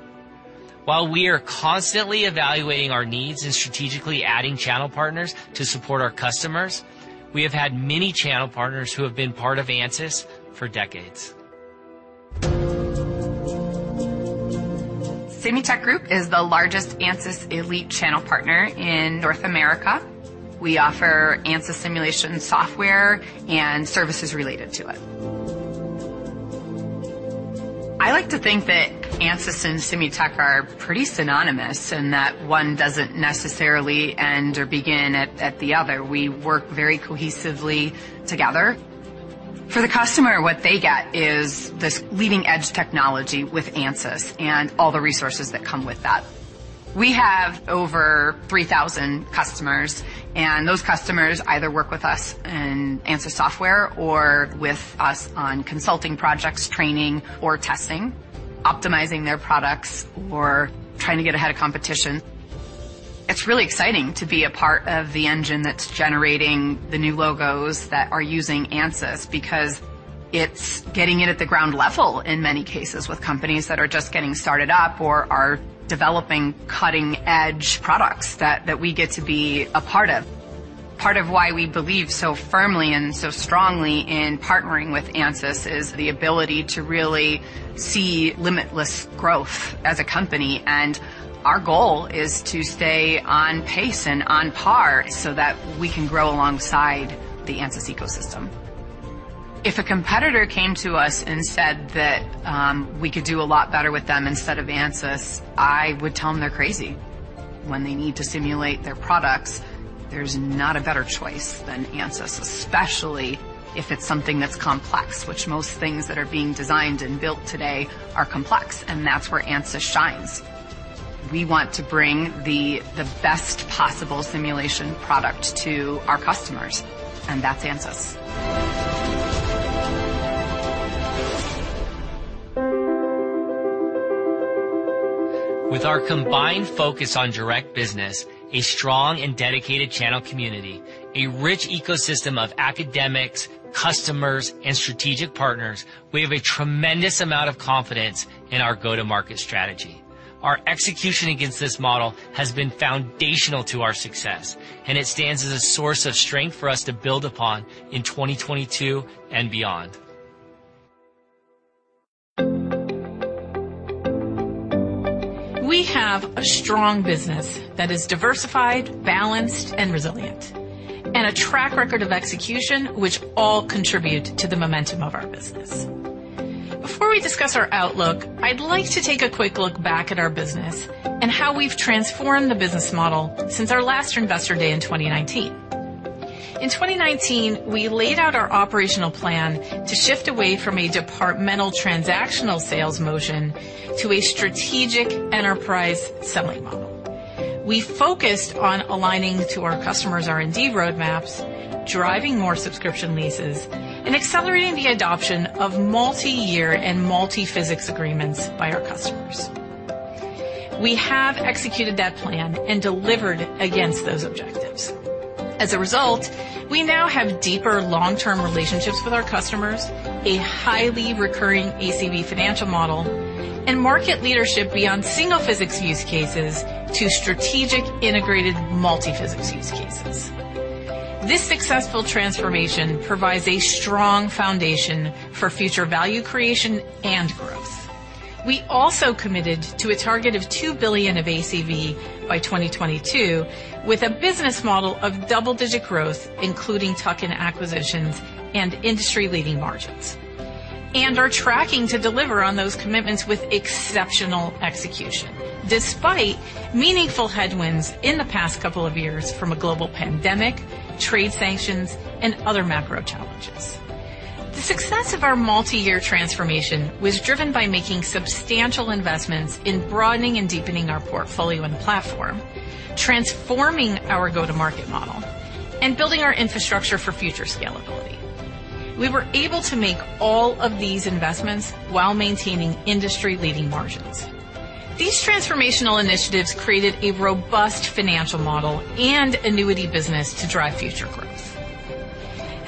While we are constantly evaluating our needs and strategically adding channel partners to support our customers, we have had many channel partners who have been part of Ansys for decades. SimuTech Group is the largest Ansys Elite Channel Partner in North America. We offer Ansys simulation software and services related to it. I like to think that Ansys and SimuTech are pretty synonymous, in that one doesn't necessarily end or begin at the other. We work very cohesively together. For the customer, what they get is this leading-edge technology with Ansys and all the resources that come with that. We have over 3,000 customers, and those customers either work with us in Ansys software or with us on consulting projects, training or testing, optimizing their products or trying to get ahead of competition. It's really exciting to be a part of the engine that's generating the new logos that are using Ansys, because it's getting in at the ground level in many cases with companies that are just getting started up or are developing cutting-edge products that we get to be a part of. Part of why we believe so firmly and so strongly in partnering with Ansys is the ability to really see limitless growth as a company, and our goal is to stay on pace and on par so that we can grow alongside the Ansys ecosystem. If a competitor came to us and said that we could do a lot better with them instead of Ansys, I would tell them they're crazy. When they need to simulate their products, there's not a better choice than Ansys, especially if it's something that's complex, which most things that are being designed and built today are complex, and that's where Ansys shines. We want to bring the best possible simulation product to our customers, and that's Ansys. With our combined focus on direct business, a strong and dedicated channel community, a rich ecosystem of academics, customers, and strategic partners, we have a tremendous amount of confidence in our go-to-market strategy. Our execution against this model has been foundational to our success, and it stands as a source of strength for us to build upon in 2022 and beyond. We have a strong business that is diversified, balanced, and resilient, and a track record of execution which all contribute to the momentum of our business. Before we discuss our outlook, I'd like to take a quick look back at our business and how we've transformed the business model since our last investor day in 2019. In 2019, we laid out our operational plan to shift away from a departmental transactional sales motion to a strategic enterprise selling model. We focused on aligning to our customers' R&D roadmaps, driving more subscription leases, and accelerating the adoption of multi-year and multiphysics agreements by our customers. We have executed that plan and delivered against those objectives. As a result, we now have deeper long-term relationships with our customers, a highly recurring ACV financial model, and market leadership beyond single physics use cases to strategic integrated multiphysics use cases. This successful transformation provides a strong foundation for future value creation and growth. We also committed to a target of $2 billion of ACV by 2022 with a business model of double-digit growth, including tuck-in acquisitions and industry-leading margins. We are tracking to deliver on those commitments with exceptional execution, despite meaningful headwinds in the past couple of years from a global pandemic, trade sanctions, and other macro challenges. The success of our multi-year transformation was driven by making substantial investments in broadening and deepening our portfolio and platform, transforming our go-to-market model, and building our infrastructure for future scalability. We were able to make all of these investments while maintaining industry-leading margins. These transformational initiatives created a robust financial model and annuity business to drive future growth.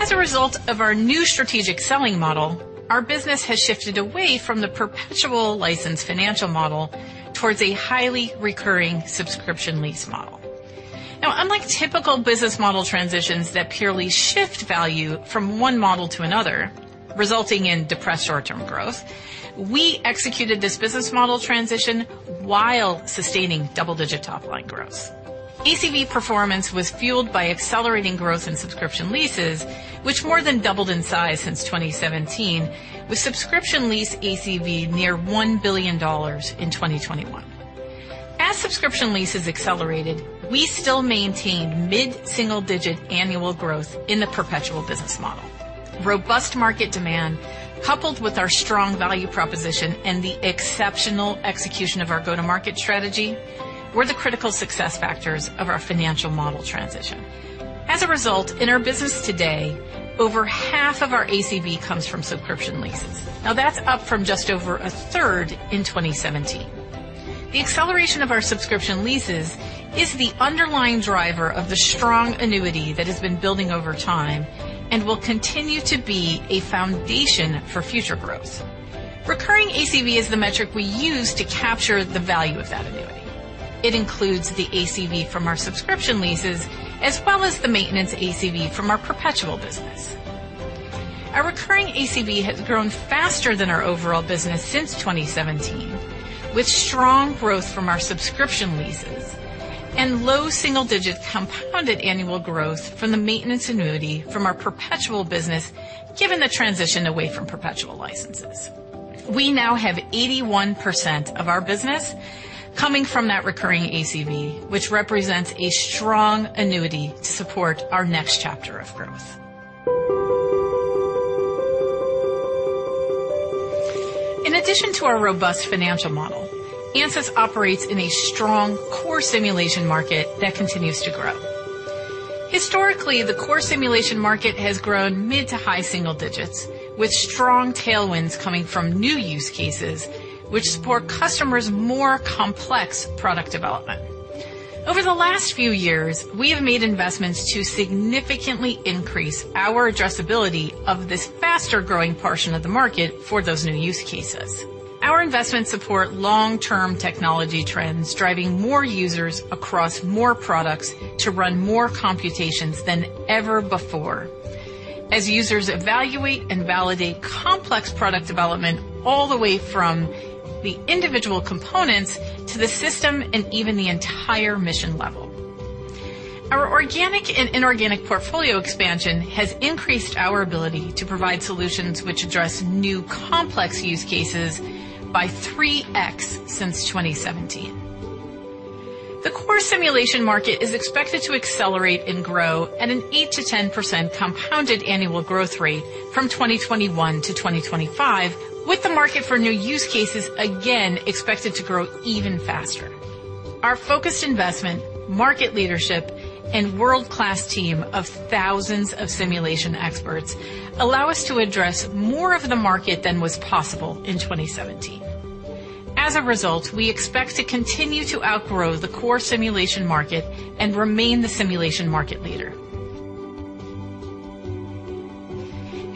As a result of our new strategic selling model, our business has shifted away from the perpetual license financial model towards a highly recurring subscription lease model. Now, unlike typical business model transitions that purely shift value from one model to another, resulting in depressed short-term growth, we executed this business model transition while sustaining double-digit top-line growth. ACV performance was fueled by accelerating growth in subscription leases, which more than doubled in size since 2017, with subscription lease ACV near $1 billion in 2021. As subscription leases accelerated, we still maintained mid-single-digit annual growth in the perpetual business model. Robust market demand, coupled with our strong value proposition and the exceptional execution of our go-to-market strategy were the critical success factors of our financial model transition. As a result, in our business today, over half of our ACV comes from subscription leases. Now, that's up from just over a third in 2017. The acceleration of our subscription leases is the underlying driver of the strong annuity that has been building over time and will continue to be a foundation for future growth. Recurring ACV is the metric we use to capture the value of that annuity. It includes the ACV from our subscription leases, as well as the maintenance ACV from our perpetual business. Our recurring ACV has grown faster than our overall business since 2017, with strong growth from our subscription leases and low single-digit compounded annual growth from the maintenance annuity from our perpetual business, given the transition away from perpetual licenses. We now have 81% of our business coming from that recurring ACV, which represents a strong annuity to support our next chapter of growth. In addition to our robust financial model, Ansys operates in a strong core simulation market that continues to grow. Historically, the core simulation market has grown mid- to high single digits, with strong tailwinds coming from new use cases which support customers' more complex product development. Over the last few years, we have made investments to significantly increase our addressability of this faster-growing portion of the market for those new use cases. Our investments support long-term technology trends, driving more users across more products to run more computations than ever before, as users evaluate and validate complex product development all the way from the individual components to the system and even the entire mission level. Our organic and inorganic portfolio expansion has increased our ability to provide solutions which address new complex use cases by 3x since 2017. The core simulation market is expected to accelerate and grow at an 8%-10% compounded annual growth rate from 2021 to 2025, with the market for new use cases again expected to grow even faster. Our focused investment, market leadership, and world-class team of thousands of simulation experts allow us to address more of the market than was possible in 2017. As a result, we expect to continue to outgrow the core simulation market and remain the simulation market leader.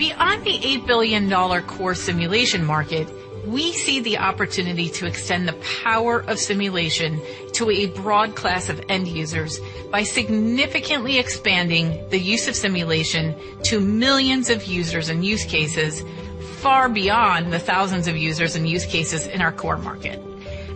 Beyond the $8 billion core simulation market, we see the opportunity to extend the power of simulation to a broad class of end users by significantly expanding the use of simulation to millions of users and use cases far beyond the thousands of users and use cases in our core market.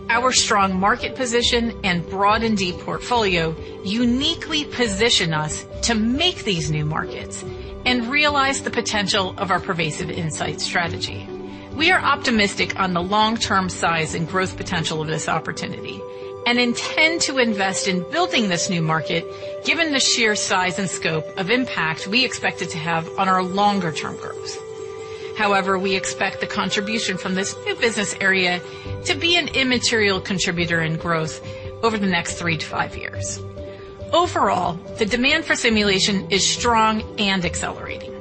Our strong market position and broad and deep portfolio uniquely position us to make these new markets and realize the potential of our pervasive insight strategy. We are optimistic on the long-term size and growth potential of this opportunity and intend to invest in building this new market, given the sheer size and scope of impact we expect it to have on our longer-term growth. However, we expect the contribution from this new business area to be an immaterial contributor in growth over the next three to five years. Overall, the demand for simulation is strong and accelerating.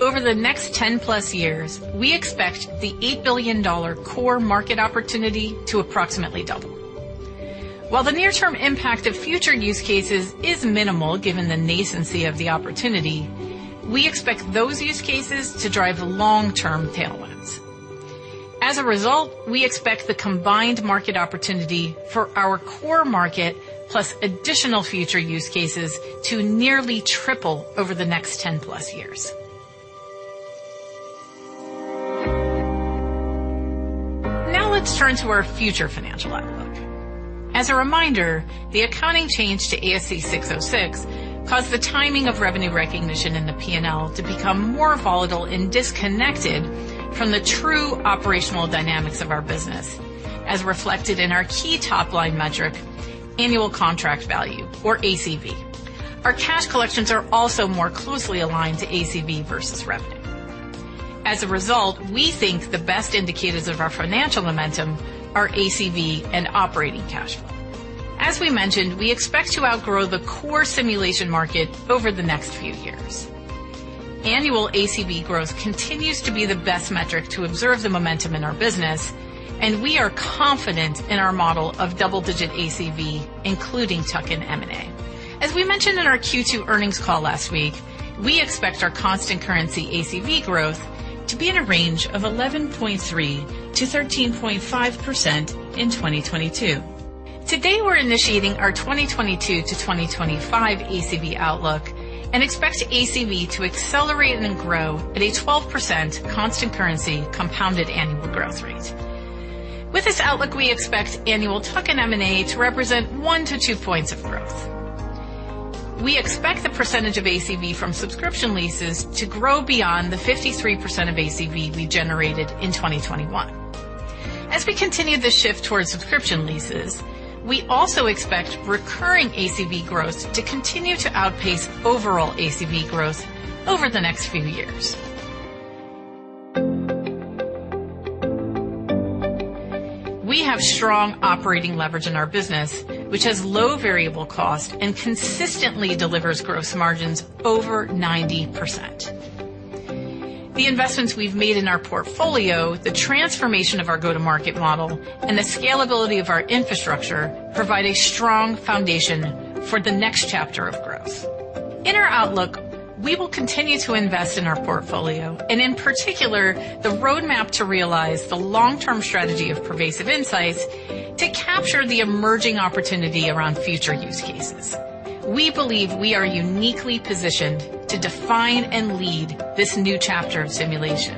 Over the next 10+ years, we expect the $8 billion core market opportunity to approximately double. While the near-term impact of future use cases is minimal, given the nascency of the opportunity, we expect those use cases to drive long-term tailwinds. As a result, we expect the combined market opportunity for our core market plus additional future use cases to nearly triple over the next 10+ years. Now, let's turn to our future financial outlook. As a reminder, the accounting change to ASC 606 caused the timing of revenue recognition in the P&L to become more volatile and disconnected from the true operational dynamics of our business, as reflected in our key top-line metric, annual contract value, or ACV. Our cash collections are also more closely aligned to ACV versus revenue. As a result, we think the best indicators of our financial momentum are ACV and operating cash flow. As we mentioned, we expect to outgrow the core simulation market over the next few years. Annual ACV growth continues to be the best metric to observe the momentum in our business, and we are confident in our model of double-digit ACV, including tuck-in M&A. As we mentioned in our Q2 earnings call last week, we expect our constant currency ACV growth to be in a range of 11.3%-13.5% in 2022. Today, we're initiating our 2022-2025 ACV outlook and expect ACV to accelerate and grow at a 12% constant currency compounded annual growth rate. With this outlook, we expect annual tuck-in M&A to represent 1-2 points of growth. We expect the percentage of ACV from subscription leases to grow beyond the 53% of ACV we generated in 2021. As we continue the shift towards subscription leases, we also expect recurring ACV growth to continue to outpace overall ACV growth over the next few years. We have strong operating leverage in our business, which has low variable cost and consistently delivers gross margins over 90%. The investments we've made in our portfolio, the transformation of our go-to-market model, and the scalability of our infrastructure provide a strong foundation for the next chapter of growth. In our outlook, we will continue to invest in our portfolio and, in particular, the roadmap to realize the long-term strategy of pervasive insights to capture the emerging opportunity around future use cases. We believe we are uniquely positioned to define and lead this new chapter of simulation,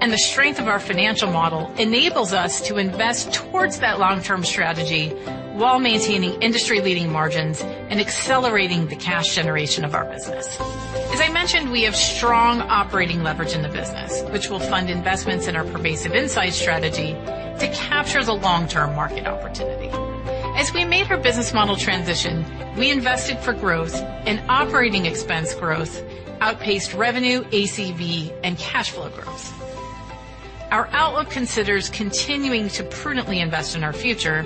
and the strength of our financial model enables us to invest towards that long-term strategy while maintaining industry-leading margins and accelerating the cash generation of our business. As I mentioned, we have strong operating leverage in the business, which will fund investments in our pervasive insight strategy to capture the long-term market opportunity. As we made our business model transition, we invested for growth, and operating expense growth outpaced revenue, ACV, and cash flow growth. Our outlook considers continuing to prudently invest in our future.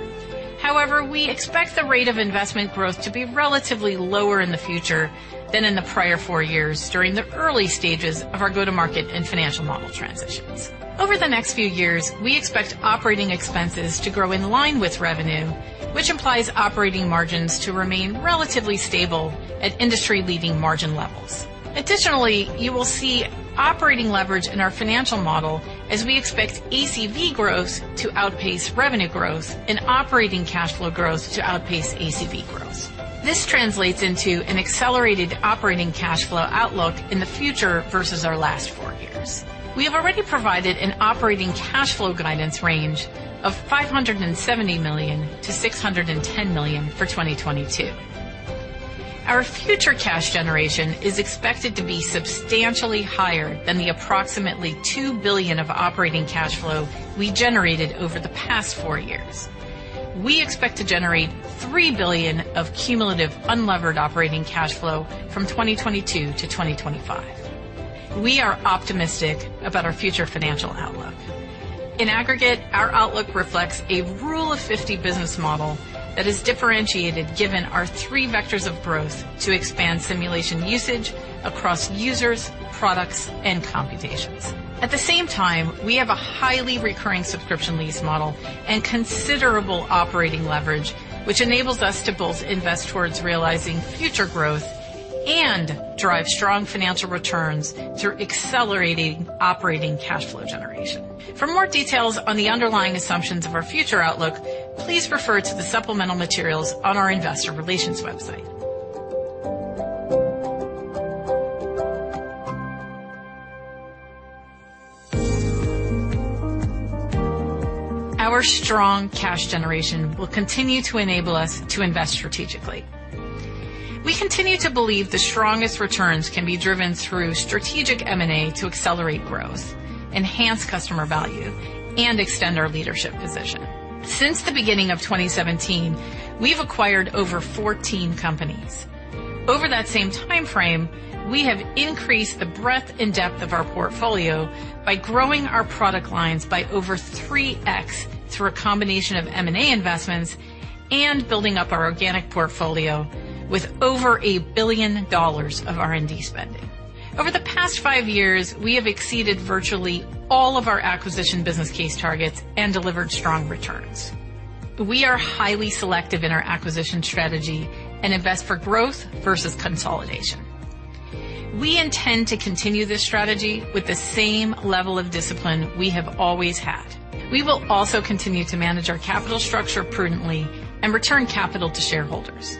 However, we expect the rate of investment growth to be relatively lower in the future than in the prior four years during the early stages of our go-to-market and financial model transitions. Over the next few years, we expect operating expenses to grow in line with revenue, which implies operating margins to remain relatively stable at industry-leading margin levels. Additionally, you will see operating leverage in our financial model as we expect ACV growth to outpace revenue growth and operating cash flow growth to outpace ACV growth. This translates into an accelerated operating cash flow outlook in the future versus our last four years. We have already provided an operating cash flow guidance range of $570 million-$610 million for 2022. Our future cash generation is expected to be substantially higher than the approximately $2 billion of operating cash flow we generated over the past four years. We expect to generate $3 billion of cumulative unlevered operating cash flow from 2022 to 2025. We are optimistic about our future financial outlook. In aggregate, our outlook reflects a rule of fifty business model that is differentiated given our three vectors of growth to expand simulation usage across users, products, and computations. At the same time, we have a highly recurring subscription lease model and considerable operating leverage, which enables us to both invest towards realizing future growth and drive strong financial returns through accelerating operating cash flow generation. For more details on the underlying assumptions of our future outlook, please refer to the supplemental materials on our investor relations website. Our strong cash generation will continue to enable us to invest strategically. We continue to believe the strongest returns can be driven through strategic M&A to accelerate growth, enhance customer value, and extend our leadership position. Since the beginning of 2017, we've acquired over 14 companies. Over that same timeframe, we have increased the breadth and depth of our portfolio by growing our product lines by over 3x through a combination of M&A investments and building up our organic portfolio with over $1 billion of R&D spending. Over the past five years, we have exceeded virtually all of our acquisition business case targets and delivered strong returns. We are highly selective in our acquisition strategy and invest for growth versus consolidation. We intend to continue this strategy with the same level of discipline we have always had. We will also continue to manage our capital structure prudently and return capital to shareholders.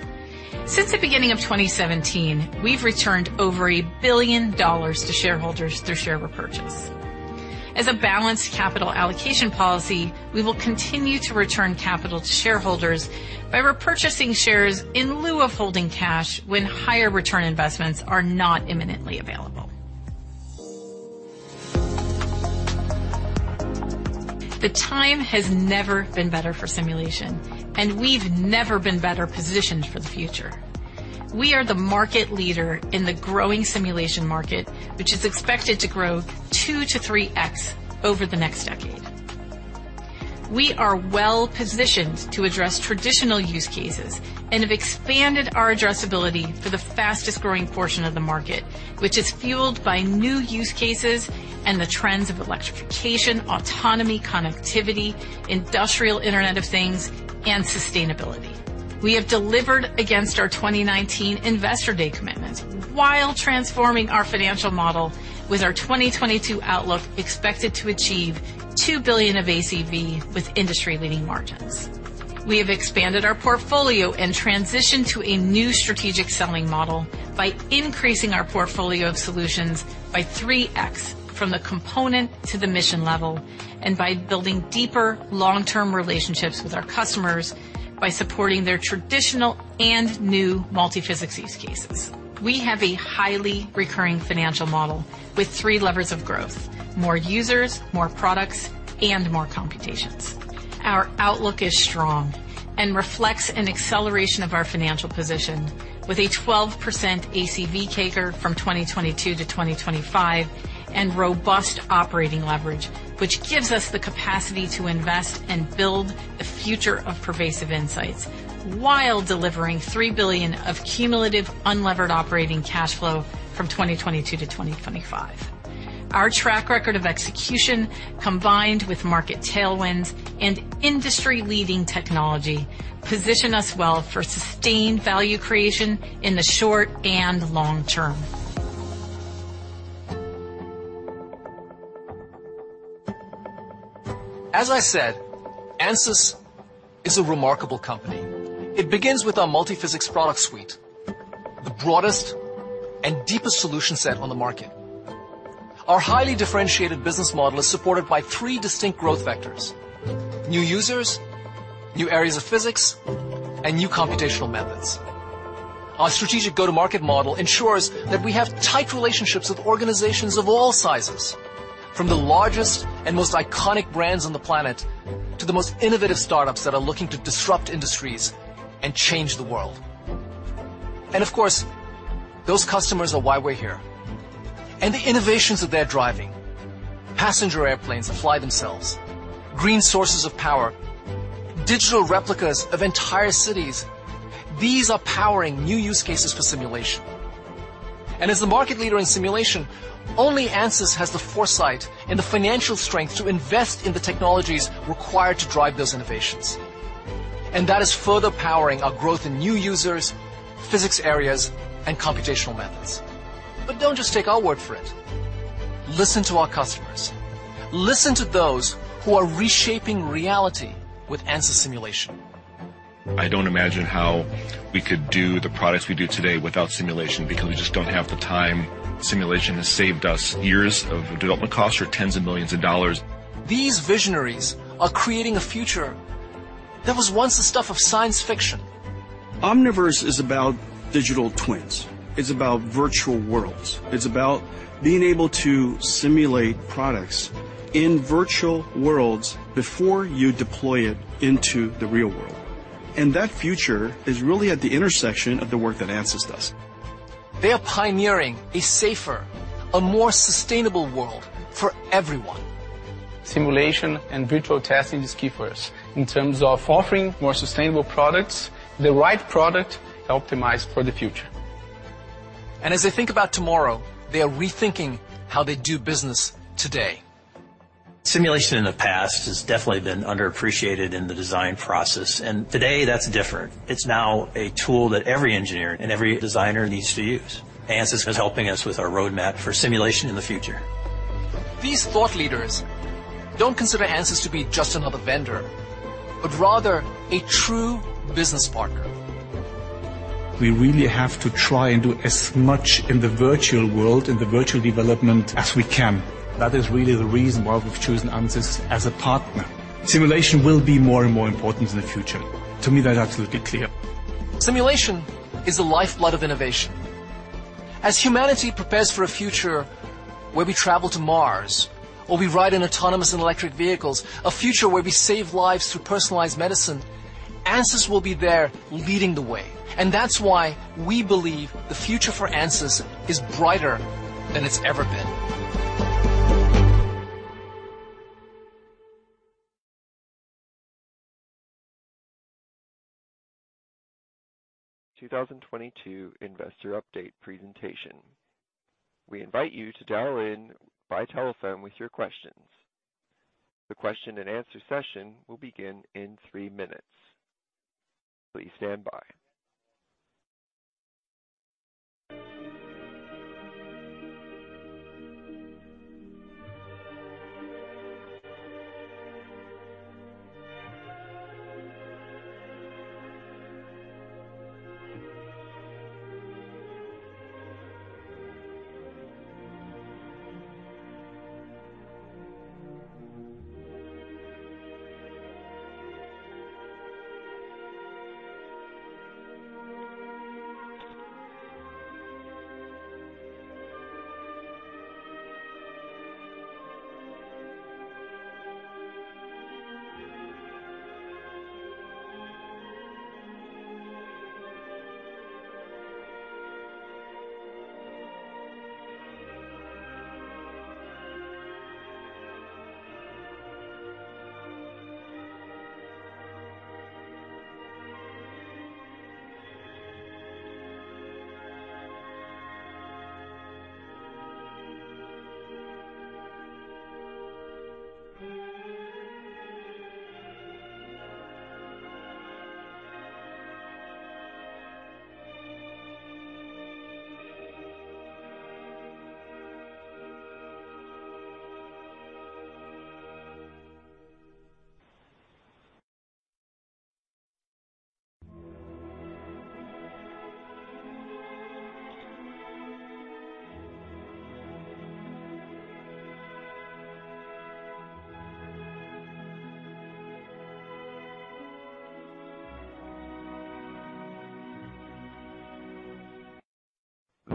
Since the beginning of 2017, we've returned over $1 billion to shareholders through share repurchase. As a balanced capital allocation policy, we will continue to return capital to shareholders by repurchasing shares in lieu of holding cash when higher return investments are not imminently available. The time has never been better for simulation, and we've never been better positioned for the future. We are the market leader in the growing simulation market, which is expected to grow 2-3x over the next decade. We are well-positioned to address traditional use cases and have expanded our addressability for the fastest-growing portion of the market, which is fueled by new use cases and the trends of electrification, autonomy, connectivity, industrial Internet of Things, and sustainability. We have delivered against our 2019 Investor Day commitments while transforming our financial model with our 2022 outlook expected to achieve 2 billion of ACV with industry-leading margins. We have expanded our portfolio and transitioned to a new strategic selling model by increasing our portfolio of solutions by 3x from the component to the mission level and by building deeper long-term relationships with our customers by supporting their traditional and new multiphysics use cases. We have a highly recurring financial model with three levers of growth, more users, more products, and more computations. Our outlook is strong and reflects an acceleration of our financial position with a 12% ACV CAGR from 2022 to 2025 and robust operating leverage, which gives us the capacity to invest and build the future of pervasive insights while delivering $3 billion of cumulative unlevered operating cash flow from 2022 to 2025. Our track record of execution, combined with market tailwinds and industry-leading technology, position us well for sustained value creation in the short and long term. As I said, Ansys is a remarkable company. It begins with our multiphysics product suite, the broadest and deepest solution set on the market. Our highly differentiated business model is supported by three distinct growth vectors, new users, new areas of physics, and new computational methods. Our strategic go-to-market model ensures that we have tight relationships with organizations of all sizes, from the largest and most iconic brands on the planet to the most innovative startups that are looking to disrupt industries and change the world. Of course, those customers are why we're here. The innovations that they're driving, passenger airplanes that fly themselves, green sources of power, digital replicas of entire cities, these are powering new use cases for simulation. As the market leader in simulation, only Ansys has the foresight and the financial strength to invest in the technologies required to drive those innovations. That is further powering our growth in new users, physics areas, and computational methods. Don't just take our word for it. Listen to our customers. Listen to those who are reshaping reality with Ansys simulation. I can't imagine how we could do the products we do today without simulation because we just don't have the time. Simulation has saved us years of development costs or tens of millions of dollars. These visionaries are creating a future that was once the stuff of science fiction. Omniverse is about digital twins. It's about virtual worlds. It's about being able to simulate products in virtual worlds before you deploy it into the real world. That future is really at the intersection of the work that Ansys does. They are pioneering a safer, more sustainable world for everyone. Simulation and virtual testing is key for us in terms of offering more sustainable products, the right product optimized for the future. As they think about tomorrow, they are rethinking how they do business today. Simulation in the past has definitely been underappreciated in the design process, and today that's different. It's now a tool that every engineer and every designer needs to use. Ansys is helping us with our roadmap for simulation in the future. These thought leaders don't consider Ansys to be just another vendor, but rather a true business partner. We really have to try and do as much in the virtual world, in the virtual development as we can. That is really the reason why we've chosen Ansys as a partner. Simulation will be more and more important in the future. To me, that's absolutely clear. Simulation is the lifeblood of innovation. As humanity prepares for a future where we travel to Mars or we ride in autonomous and electric vehicles, a future where we save lives through personalized medicine, Ansys will be there leading the way. That's why we believe the future for Ansys is brighter than it's ever been. 2022 investor update presentation. We invite you to dial in by telephone with your questions. The question and answer session will begin in 3 minutes. Please stand by.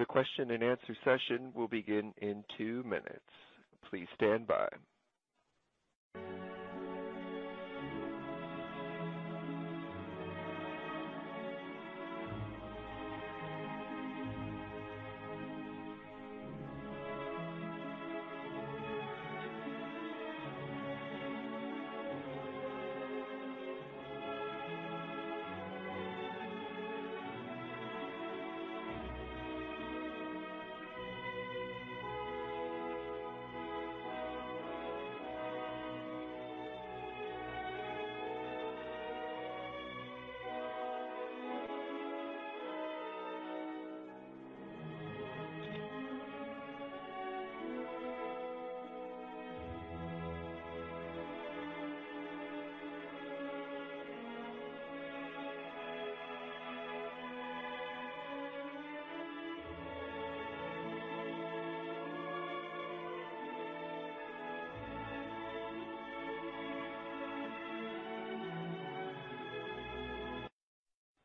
The question-and-answer session will begin in 2 minutes. Please stand by.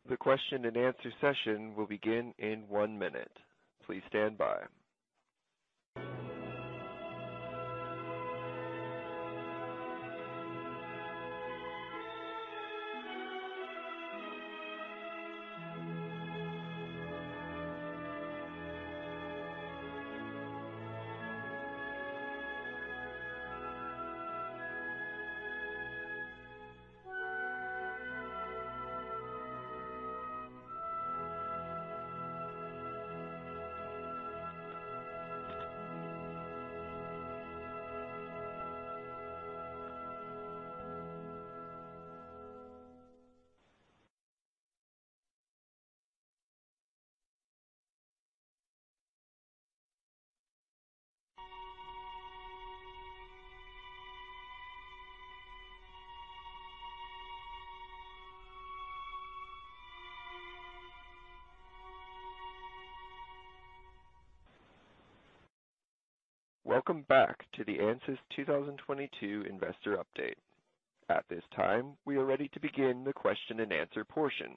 The question-and-answer session will begin in 1 minute. Please stand by. Welcome back to the Ansys 2022 investor update. At this time, we are ready to begin the question-and-answer portion.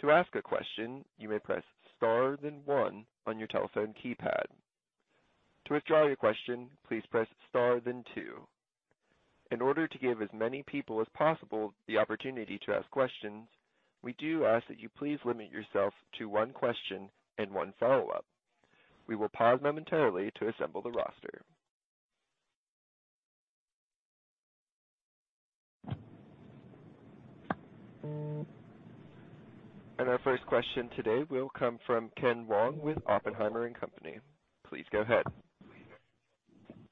To ask a question, you may press star then one on your telephone keypad. To withdraw your question, please press star then two. In order to give as many people as possible the opportunity to ask questions, we do ask that you please limit yourself to one question and one follow-up. We will pause momentarily to assemble the roster. Our first question today will come from Ken Wong with Oppenheimer & Co. Please go ahead.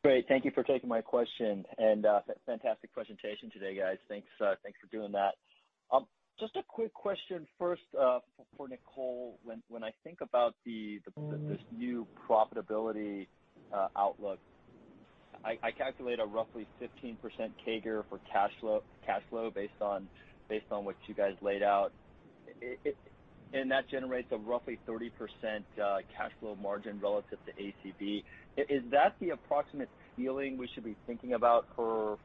Great. Thank you for taking my question. Fantastic presentation today, guys. Thanks for doing that. Just a quick question first, for Nicole. When I think about this new profitability outlook, I calculate a roughly 15% CAGR for cash flow based on what you guys laid out. It and that generates a roughly 30% cash flow margin relative to ACV. Is that the approximate feeling we should be thinking about for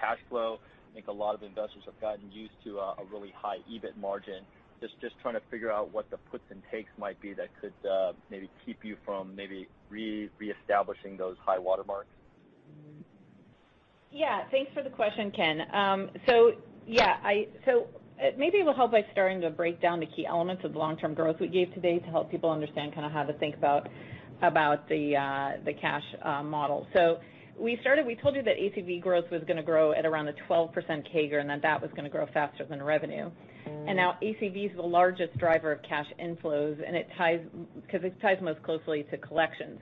cash flow? I think a lot of investors have gotten used to a really high EBIT margin. Just trying to figure out what the puts and takes might be that could maybe keep you from maybe reestablishing those high watermarks. Yeah. Thanks for the question, Ken. Maybe it will help by starting to break down the key elements of the long-term growth we gave today to help people understand kind of how to think about the cash model. We told you that ACV growth was gonna grow at around a 12% CAGR, and that was gonna grow faster than revenue. Now, ACV is the largest driver of cash inflows, and it ties most closely to collections.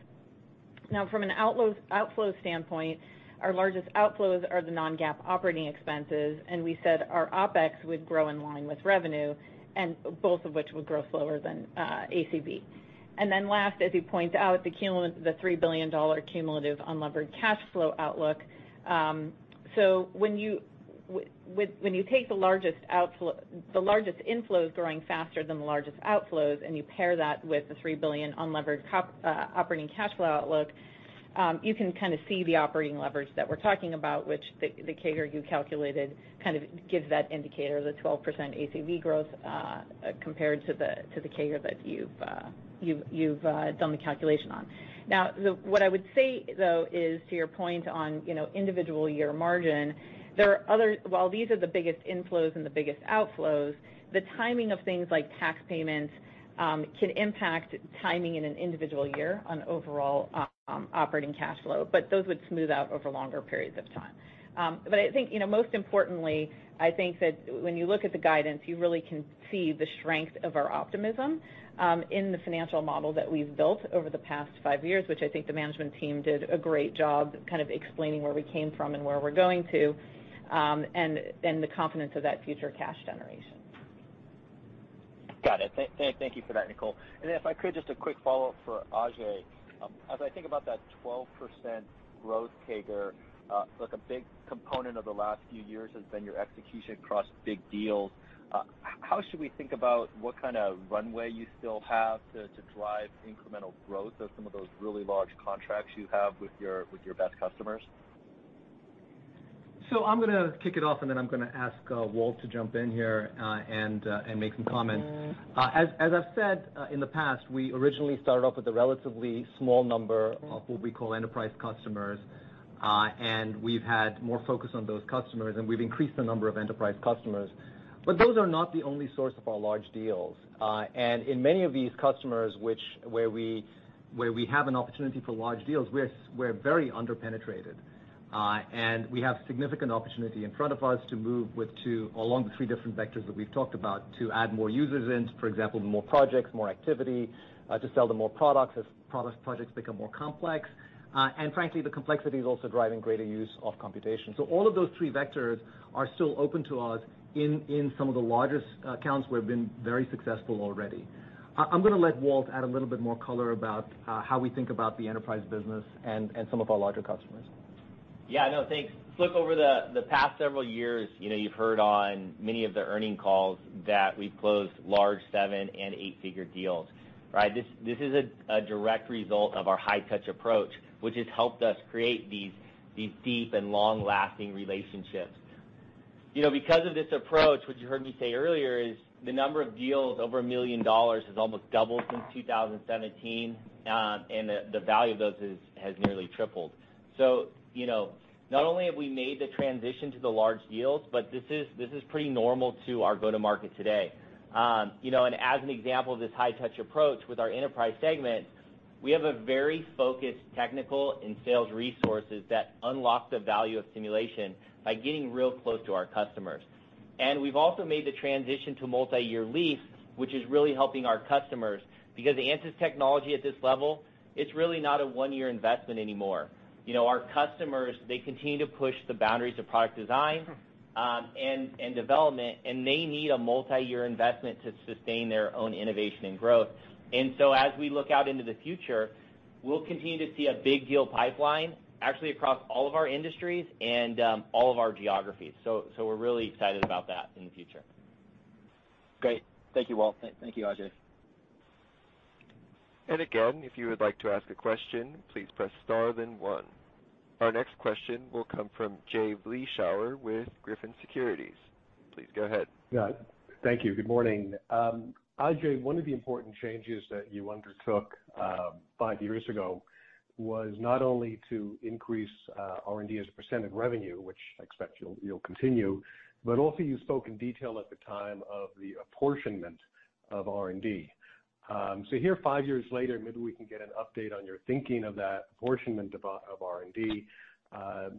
Now, from an outflow standpoint, our largest outflows are the non-GAAP operating expenses, and we said our OpEx would grow in line with revenue, and both of which would grow slower than ACV. Then last, as you point out, the $3 billion cumulative unlevered cash flow outlook. When you take the largest outflow, the largest inflows growing faster than the largest outflows, and you pair that with the $3 billion unlevered operating cash flow outlook, you can kind of see the operating leverage that we're talking about, which the CAGR you calculated kind of gives that indicator, the 12% ACV growth, compared to the CAGR that you've done the calculation on. What I would say, though, is to your point on, you know, individual year margin, there are other while these are the biggest inflows and the biggest outflows, the timing of things like tax payments can impact timing in an individual year on overall operating cash flow. But those would smooth out over longer periods of time. I think, you know, most importantly, I think that when you look at the guidance, you really can see the strength of our optimism in the financial model that we've built over the past five years, which I think the management team did a great job kind of explaining where we came from and where we're going to, and the confidence of that future cash generation. Got it. Thank you for that, Nicole. If I could, just a quick follow-up for Ajei. As I think about that 12% growth CAGR, like a big component of the last few years has been your execution across big deals. How should we think about what kind of runway you still have to drive incremental growth of some of those really large contracts you have with your best customers? I'm gonna kick it off, and then I'm gonna ask Walt to jump in here and make some comments. As I've said in the past, we originally started off with a relatively small number of what we call enterprise customers. We've had more focus on those customers, and we've increased the number of enterprise customers. Those are not the only source of our large deals. In many of these customers where we have an opportunity for large deals, we're very under-penetrated. We have significant opportunity in front of us to move along the two or three different vectors that we've talked about to add more users, for example, more projects, more activity, to sell them more products as projects become more complex. Frankly, the complexity is also driving greater use of computation. All of those three vectors are still open to us in some of the largest accounts we've been very successful already. I'm gonna let Walt add a little bit more color about how we think about the enterprise business and some of our larger customers. Yeah, no, thanks. Look, over the past several years, you know, you've heard on many of the earnings calls that we've closed large seven- and eight-figure deals, right? This is a direct result of our high-touch approach, which has helped us create these deep and long-lasting relationships. You know, because of this approach, what you heard me say earlier is the number of deals over $1 million has almost doubled since 2017, and the value of those has nearly tripled. You know, not only have we made the transition to the large deals, but this is pretty normal to our go-to-market today. You know, as an example of this high-touch approach with our enterprise segment, we have a very focused technical and sales resources that unlock the value of simulation by getting real close to our customers. We've also made the transition to multiyear lease, which is really helping our customers. Because the Ansys technology at this level, it's really not a one-year investment anymore. You know, our customers, they continue to push the boundaries of product design, and development, and they need a multiyear investment to sustain their own innovation and growth. As we look out into the future, we'll continue to see a big deal pipeline actually across all of our industries and all of our geographies. We're really excited about that in the future. Great. Thank you, Walt. Thank you, Ajei. Again, if you would like to ask a question, please press star then one. Our next question will come from Jay Vleeschhouwer with Griffin Securities. Please go ahead. Yeah. Thank you. Good morning. Ajei, one of the important changes that you undertook five years ago was not only to increase R&D as a percent of revenue, which I expect you'll continue, but also you spoke in detail at the time of the apportionment of R&D. So here five years later, maybe we can get an update on your thinking of that apportionment of R&D.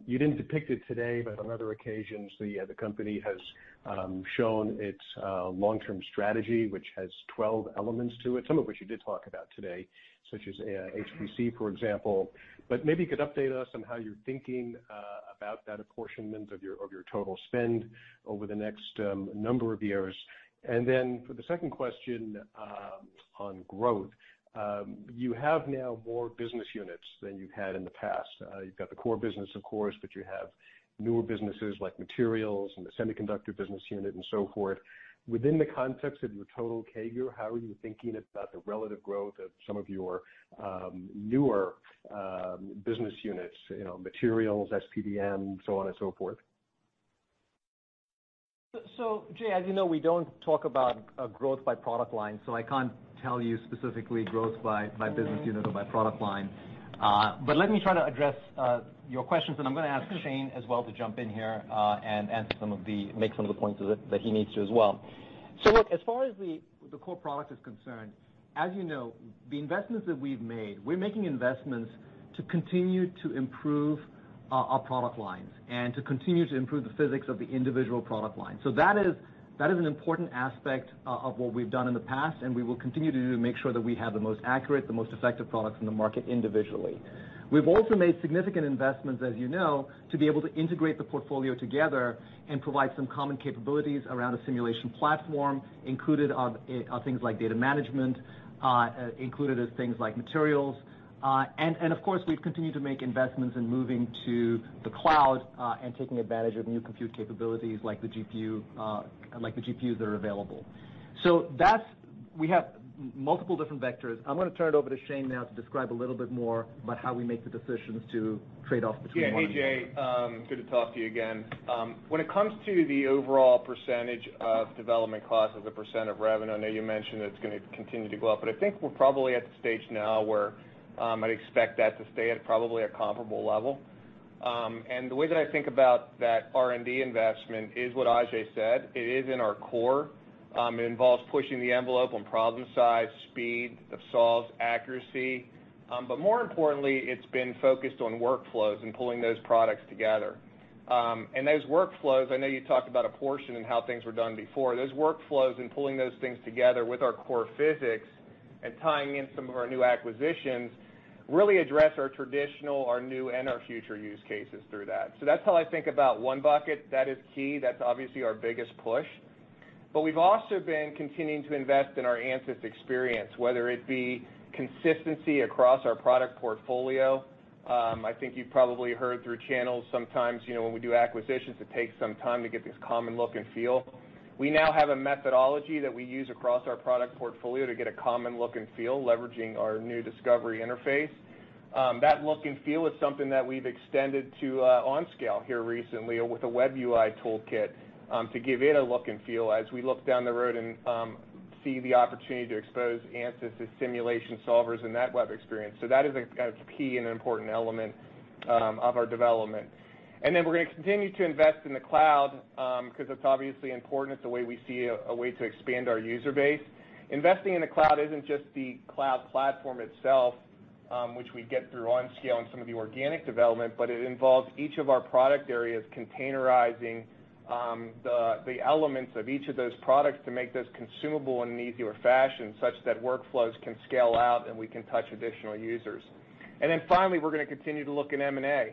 You didn't depict it today, but on other occasions, the company has shown its long-term strategy, which has 12 elements to it, some of which you did talk about today, such as AI HPC, for example. Maybe you could update us on how you're thinking about that apportionment of your total spend over the next number of years. For the second question, on growth, you have now more business units than you've had in the past. You've got the core business, of course, but you have newer businesses like materials and the semiconductor business unit and so forth. Within the context of your total CAGR, how are you thinking about the relative growth of some of your newer business units, you know, materials, SPDM, so on and so forth? Jay, as you know, we don't talk about growth by product line, so I can't tell you specifically growth by business unit or by product line. But let me try to address your questions, and I'm gonna ask Shane as well to jump in here and answer some of the points that he needs to as well. Look, as far as the core product is concerned, as you know, the investments that we've made, we're making investments to continue to improve our product lines and to continue to improve the physics of the individual product line. That is an important aspect of what we've done in the past, and we will continue to do to make sure that we have the most accurate, the most effective products in the market individually. We've also made significant investments, as you know, to be able to integrate the portfolio together and provide some common capabilities around a simulation platform, including things like data management and things like materials. Of course, we've continued to make investments in moving to the cloud and taking advantage of new compute capabilities like the GPU, like the GPUs that are available. We have multiple different vectors. I'm gonna turn it over to Shane now to describe a little bit more about how we make the decisions to trade off between one and the other. Yeah. Hey, Jay. Good to talk to you again. When it comes to the overall percentage of development cost as a percent of revenue, I know you mentioned it's gonna continue to go up, but I think we're probably at the stage now where I'd expect that to stay at probably a comparable level. The way that I think about that R&D investment is what Ajay said. It is in our core. It involves pushing the envelope on problem size, speed of solves, accuracy. More importantly, it's been focused on workflows and pulling those products together. Those workflows, I know you talked about a portion and how things were done before. Those workflows and pulling those things together with our core physics. Tying in some of our new acquisitions really address our traditional, our new, and our future use cases through that. That's how I think about one bucket. That is key. That's obviously our biggest push. We've also been continuing to invest in our Ansys experience, whether it be consistency across our product portfolio. I think you've probably heard through channels sometimes, you know, when we do acquisitions, it takes some time to get this common look and feel. We now have a methodology that we use across our product portfolio to get a common look and feel, leveraging our new Discovery interface. That look and feel is something that we've extended to OnScale here recently with a web UI toolkit, to give it a look and feel as we look down the road and see the opportunity to expose Ansys to simulation solvers in that web experience. That is, like, a key and an important element of our development. Then we're gonna continue to invest in the cloud, because it's obviously important. It's the way we see a way to expand our user base. Investing in the cloud isn't just the cloud platform itself, which we get through OnScale and some of the organic development, but it involves each of our product areas containerizing the elements of each of those products to make this consumable in an easier fashion such that workflows can scale out, and we can touch additional users. We're gonna continue to look at M&A.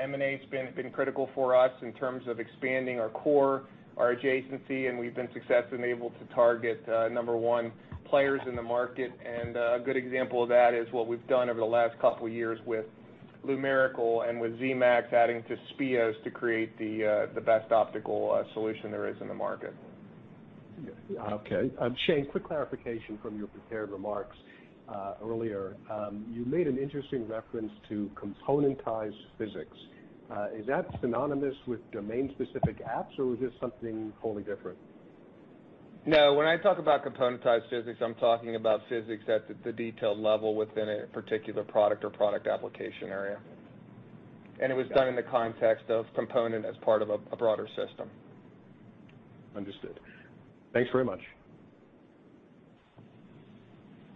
M&A's been critical for us in terms of expanding our core, our adjacency, and we've been successfully able to target number one players in the market. A good example of that is what we've done over the last couple years with Lumerical and with Zemax adding to Speos to create the best optical solution there is in the market. Okay. Shane, quick clarification from your prepared remarks, earlier. You made an interesting reference to componentized physics. Is that synonymous with domain-specific apps, or is this something totally different? No. When I talk about componentized physics, I'm talking about physics at the detailed level within a particular product or product application area. It was done in the context of component as part of a broader system. Understood. Thanks very much.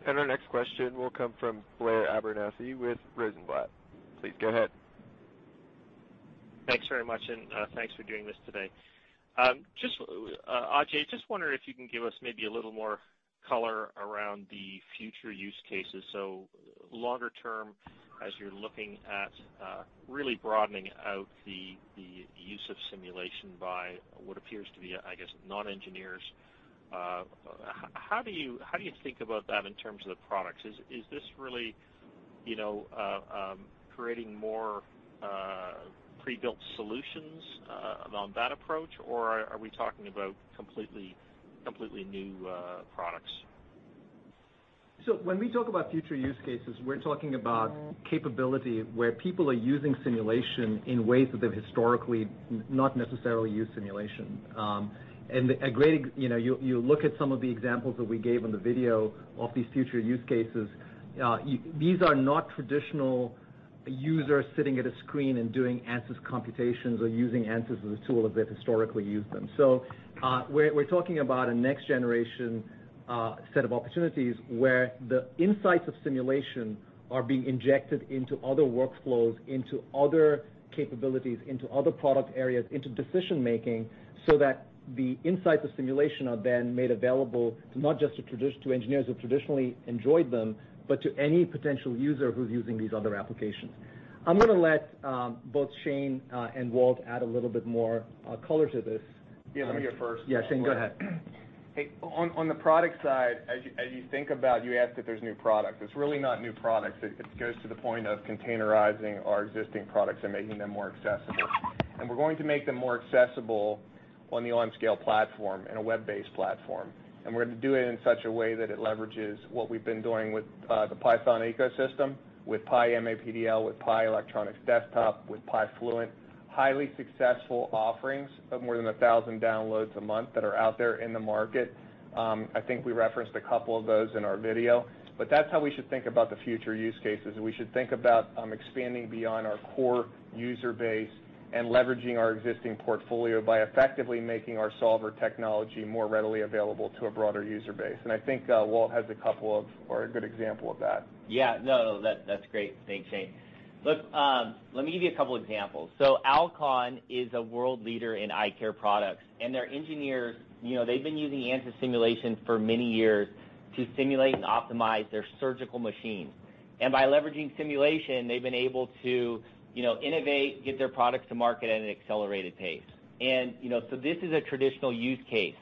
Our next question will come from Blair Abernethy with Rosenblatt. Please go ahead. Thanks very much, and thanks for doing this today. Just Ajei, just wondering if you can give us maybe a little more color around the future use cases. Longer term, as you're looking at really broadening out the use of simulation by what appears to be, I guess, non-engineers, how do you think about that in terms of the products? Is this really, you know, creating more prebuilt solutions around that approach, or are we talking about completely new products? When we talk about future use cases, we're talking about capability where people are using simulation in ways that they've historically not necessarily used simulation. You know, you look at some of the examples that we gave on the video of these future use cases. These are not traditional users sitting at a screen and doing Ansys computations or using Ansys as a tool as they've historically used them. We're talking about a next generation set of opportunities where the insights of simulation are being injected into other workflows, into other capabilities, into other product areas, into decision-making, so that the insights of simulation are then made available not just to engineers who traditionally enjoyed them, but to any potential user who's using these other applications. I'm gonna let both Shane and Walt add a little bit more color to this. Yeah, let me go first. Yeah, Shane, go ahead. Hey. On the product side, as you think about. You asked if there's new product. It's really not new products. It goes to the point of containerizing our existing products and making them more accessible. We're going to make them more accessible on the OnScale platform and a web-based platform. We're gonna do it in such a way that it leverages what we've been doing with the Python ecosystem, with PyMAPDL, with PyAEDT, with PyFluent. Highly successful offerings of more than 1,000 downloads a month that are out there in the market. I think we referenced a couple of those in our video. That's how we should think about the future use cases. We should think about expanding beyond our core user base and leveraging our existing portfolio by effectively making our solver technology more readily available to a broader user base. I think Walt has a good example of that. Yeah. No, no. That's great. Thanks, Shane. Look, let me give you a couple examples. Alcon is a world leader in eye care products, and their engineers, you know, they've been using Ansys simulation for many years to simulate and optimize their surgical machines. By leveraging simulation, they've been able to, you know, innovate, get their products to market at an accelerated pace. This is a traditional use case.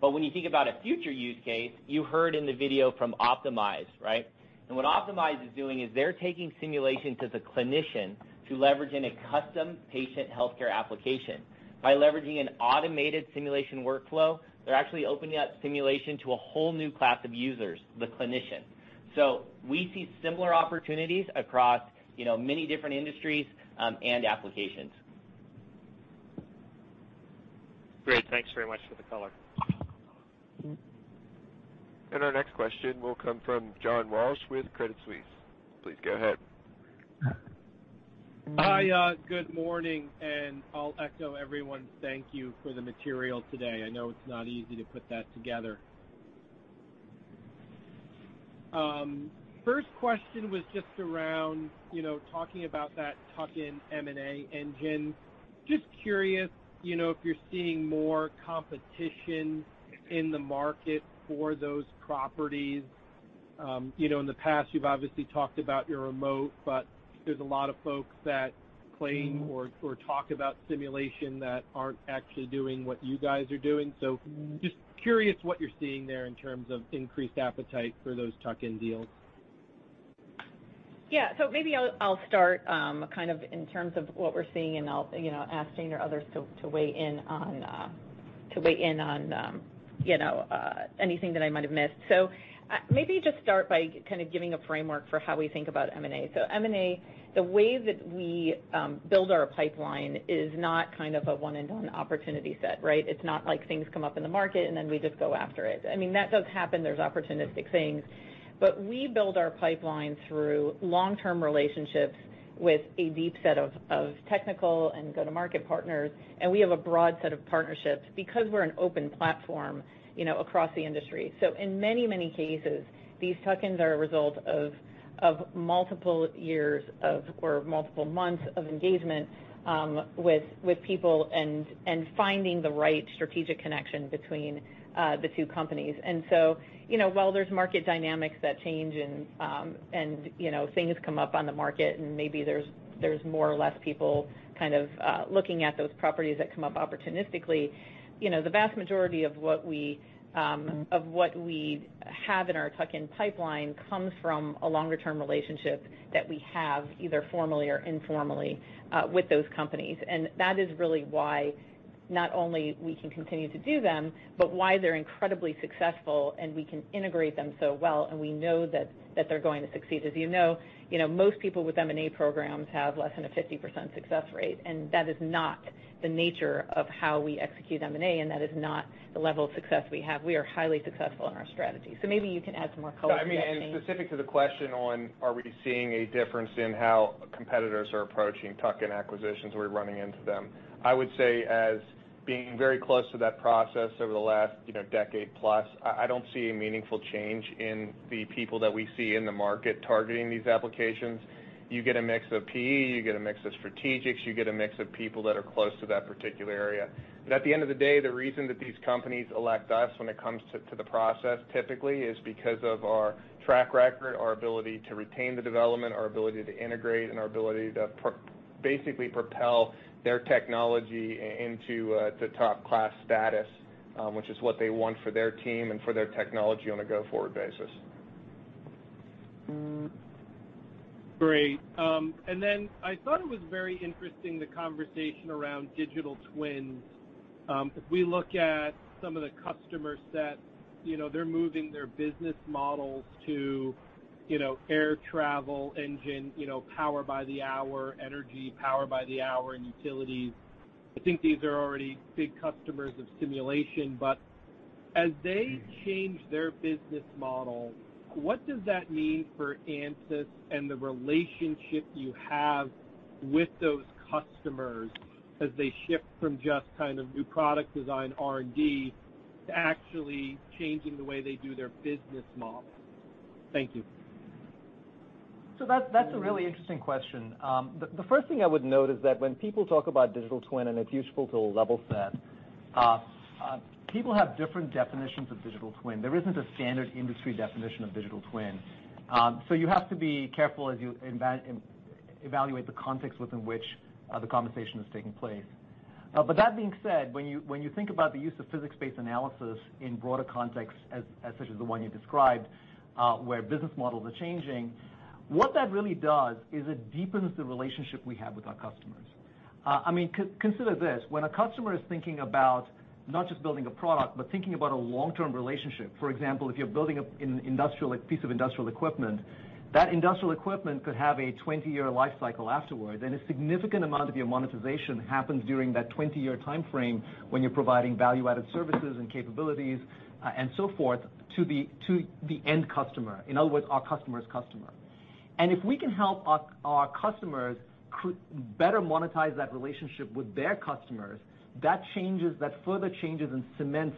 When you think about a future use case, you heard in the video from Optimeyes, right? What Optimeyes is doing is they're taking simulation to the clinician to leverage in a custom patient healthcare application. By leveraging an automated simulation workflow, they're actually opening up simulation to a whole new class of users, the clinician. We see similar opportunities across, you know, many different industries, and applications. Great. Thanks very much for the color. Our next question will come from John Walsh with Credit Suisse. Please go ahead. Hi. Good morning, and I'll echo everyone's thank you for the material today. I know it's not easy to put that together. First question was just around, you know, talking about that tuck-in M&A engine. Just curious, you know, if you're seeing more competition in the market for those properties. You know, in the past you've obviously talked about your moat, but there's a lot of folks that claim or talk about simulation that aren't actually doing what you guys are doing. Just curious what you're seeing there in terms of increased appetite for those tuck-in deals. Yeah. Maybe I'll start kind of in terms of what we're seeing, and I'll you know, ask Shane or others to weigh in on anything that I might have missed. Maybe just start by kind of giving a framework for how we think about M&A. M&A, the way that we build our pipeline is not kind of a one and done opportunity set, right? It's not like things come up in the market, and then we just go after it. I mean, that does happen. There's opportunistic things. But we build our pipeline through long-term relationships with a deep set of technical and go-to-market partners, and we have a broad set of partnerships because we're an open platform, you know, across the industry. In many, many cases, these tuck-ins are a result of multiple years of, or multiple months of engagement, with people and finding the right strategic connection between the two companies. You know, while there's market dynamics that change and you know, things come up on the market and maybe there's more or less people kind of looking at those properties that come up opportunistically, you know, the vast majority of what we have in our tuck-in pipeline comes from a longer term relationship that we have, either formally or informally, with those companies. That is really why not only we can continue to do them, but why they're incredibly successful, and we can integrate them so well, and we know that they're going to succeed. As you know, most people with M&A programs have less than a 50% success rate, and that is not the nature of how we execute M&A, and that is not the level of success we have. We are highly successful in our strategy. Maybe you can add some more color to that, Shane. No, I mean, specific to the question on are we seeing a difference in how competitors are approaching tuck-in acquisitions, are we running into them? I would say as being very close to that process over the last, you know, decade plus, I don't see a meaningful change in the people that we see in the market targeting these applications. You get a mix of PE, you get a mix of strategics, you get a mix of people that are close to that particular area. At the end of the day, the reason that these companies elect us when it comes to the process typically is because of our track record, our ability to retain the development, our ability to integrate, and our ability to basically propel their technology into top class status, which is what they want for their team and for their technology on a go-forward basis. Great. Then I thought it was very interesting, the conversation around digital twins. If we look at some of the customer set, you know, they're moving their business models to, you know, air travel, engine, you know, power by the hour, energy, and utilities. I think these are already big customers of simulation, but as they change their business model, what does that mean for Ansys and the relationship you have with those customers as they shift from just kind of new product design R&D to actually changing the way they do their business model? Thank you. That's a really interesting question. The first thing I would note is that when people talk about digital twin, and it's useful to level set, people have different definitions of digital twin. There isn't a standard industry definition of digital twin. You have to be careful as you evaluate the context within which the conversation is taking place. But that being said, when you think about the use of physics-based analysis in broader context, such as the one you described, where business models are changing, what that really does is it deepens the relationship we have with our customers. I mean, consider this, when a customer is thinking about not just building a product, but thinking about a long-term relationship, for example, if you're building a piece of industrial equipment, that industrial equipment could have a 20-year life cycle afterward, and a significant amount of your monetization happens during that 20-year timeframe when you're providing value-added services and capabilities, and so forth to the end customer. In other words, our customer's customer. If we can help our customers better monetize that relationship with their customers, that changes, that further changes and cements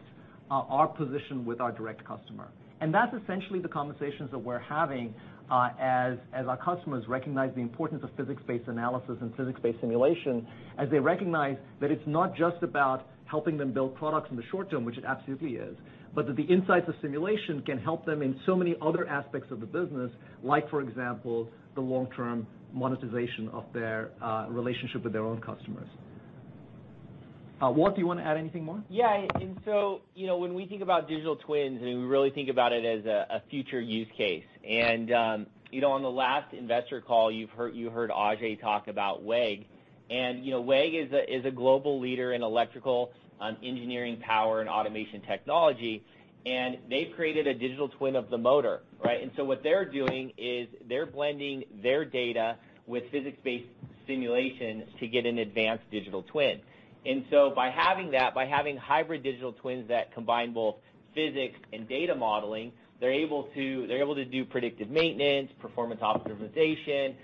our position with our direct customer. That's essentially the conversations that we're having, as our customers recognize the importance of physics-based analysis and physics-based simulation, as they recognize that it's not just about helping them build products in the short term, which it absolutely is, but that the insights of simulation can help them in so many other aspects of the business, like for example, the long-term monetization of their relationship with their own customers. Walt, do you wanna add anything more? Yeah. You know, when we think about digital twins, and we really think about it as a future use case. You know, on the last investor call you heard Ajei talk about WEG. You know, WEG is a global leader in electrical engineering, power, and automation technology, and they've created a digital twin of the motor, right? What they're doing is they're blending their data with physics-based simulation to get an advanced digital twin. By having that, by having hybrid digital twins that combine both physics and data modeling, they're able to do predictive maintenance, performance optimization,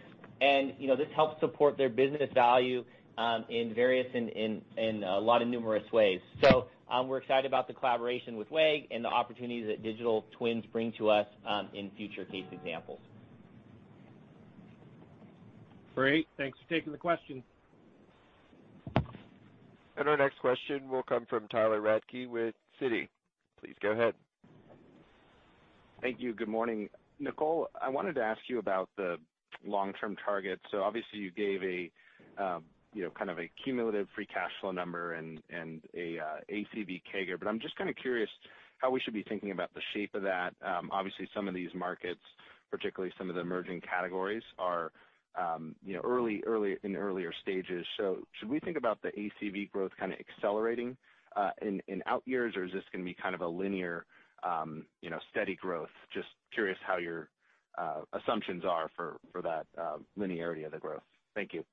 and, you know, this helps support their business value in various and a lot of numerous ways. We're excited about the collaboration with WEG and the opportunities that digital twins bring to us, in future case examples. Great. Thanks for taking the question. Our next question will come from Tyler Radke with Citi. Please go ahead. Thank you. Good morning. Nicole, I wanted to ask you about the long-term target. Obviously, you gave a you know, kind of a cumulative free cash flow number and a ACV CAGR. I'm just kinda curious how we should be thinking about the shape of that. Obviously, some of these markets, particularly some of the emerging categories are you know, early in earlier stages. Should we think about the ACV growth kinda accelerating in out years, or is this gonna be kind of a linear you know, steady growth? Just curious how your assumptions are for that linearity of the growth. Thank you.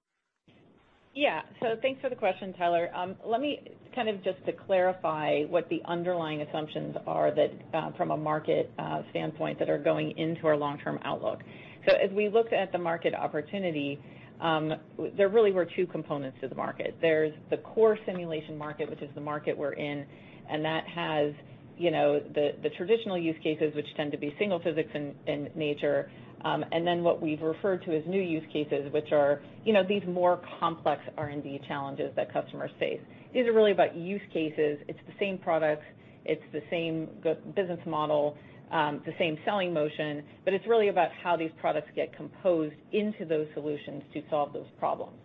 Yeah. Thanks for the question, Tyler. Let me kind of just to clarify what the underlying assumptions are that, from a market standpoint, that are going into our long-term outlook. As we looked at the market opportunity, there really were two components to the market. There's the core simulation market, which is the market we're in, and that has, you know, the traditional use cases, which tend to be single physics in nature, and then what we've referred to as new use cases, which are, you know, these more complex R&D challenges that customers face. These are really about use cases. It's the same products, it's the same business model, the same selling motion, but it's really about how these products get composed into those solutions to solve those problems.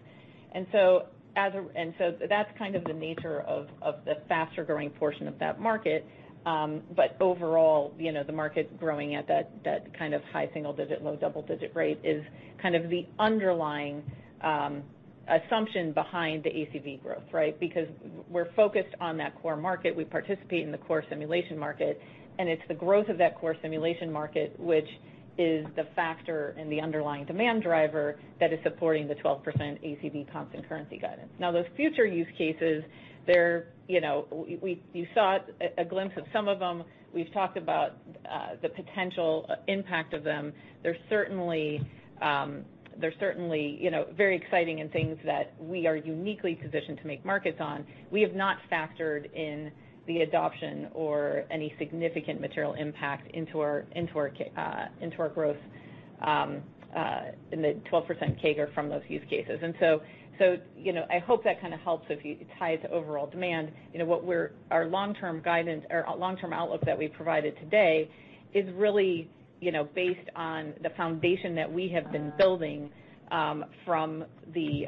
That's kind of the nature of the faster-growing portion of that market. Overall, you know, the market growing at that kind of high single digit, low double digit rate is kind of the underlying assumption behind the ACV growth, right? Because we're focused on that core market. We participate in the core simulation market, and it's the growth of that core simulation market, which is the factor and the underlying demand driver that is supporting the 12% ACV constant currency guidance. Now, those future use cases, they're, you know, you saw a glimpse of some of them. We've talked about the potential impact of them. They're certainly, you know, very exciting and things that we are uniquely positioned to make markets on. We have not factored in the adoption or any significant material impact into our growth in the 12% CAGR from those use cases. You know, I hope that kinda helps. If you tie it to overall demand, you know, our long-term guidance or long-term outlook that we provided today is really, you know, based on the foundation that we have been building from the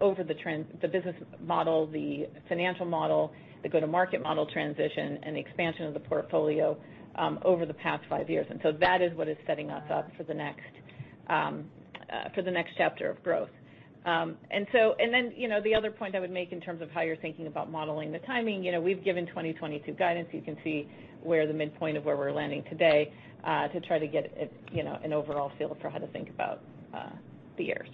over the trend, the business model, the financial model, the go-to-market model transition, and the expansion of the portfolio over the past five years. That is what is setting us up for the next chapter of growth. You know, the other point I would make in terms of how you're thinking about modeling the timing, you know, we've given 2022 guidance. You can see where the midpoint of where we're landing today to try to get, you know, an overall feel for how to think about the years.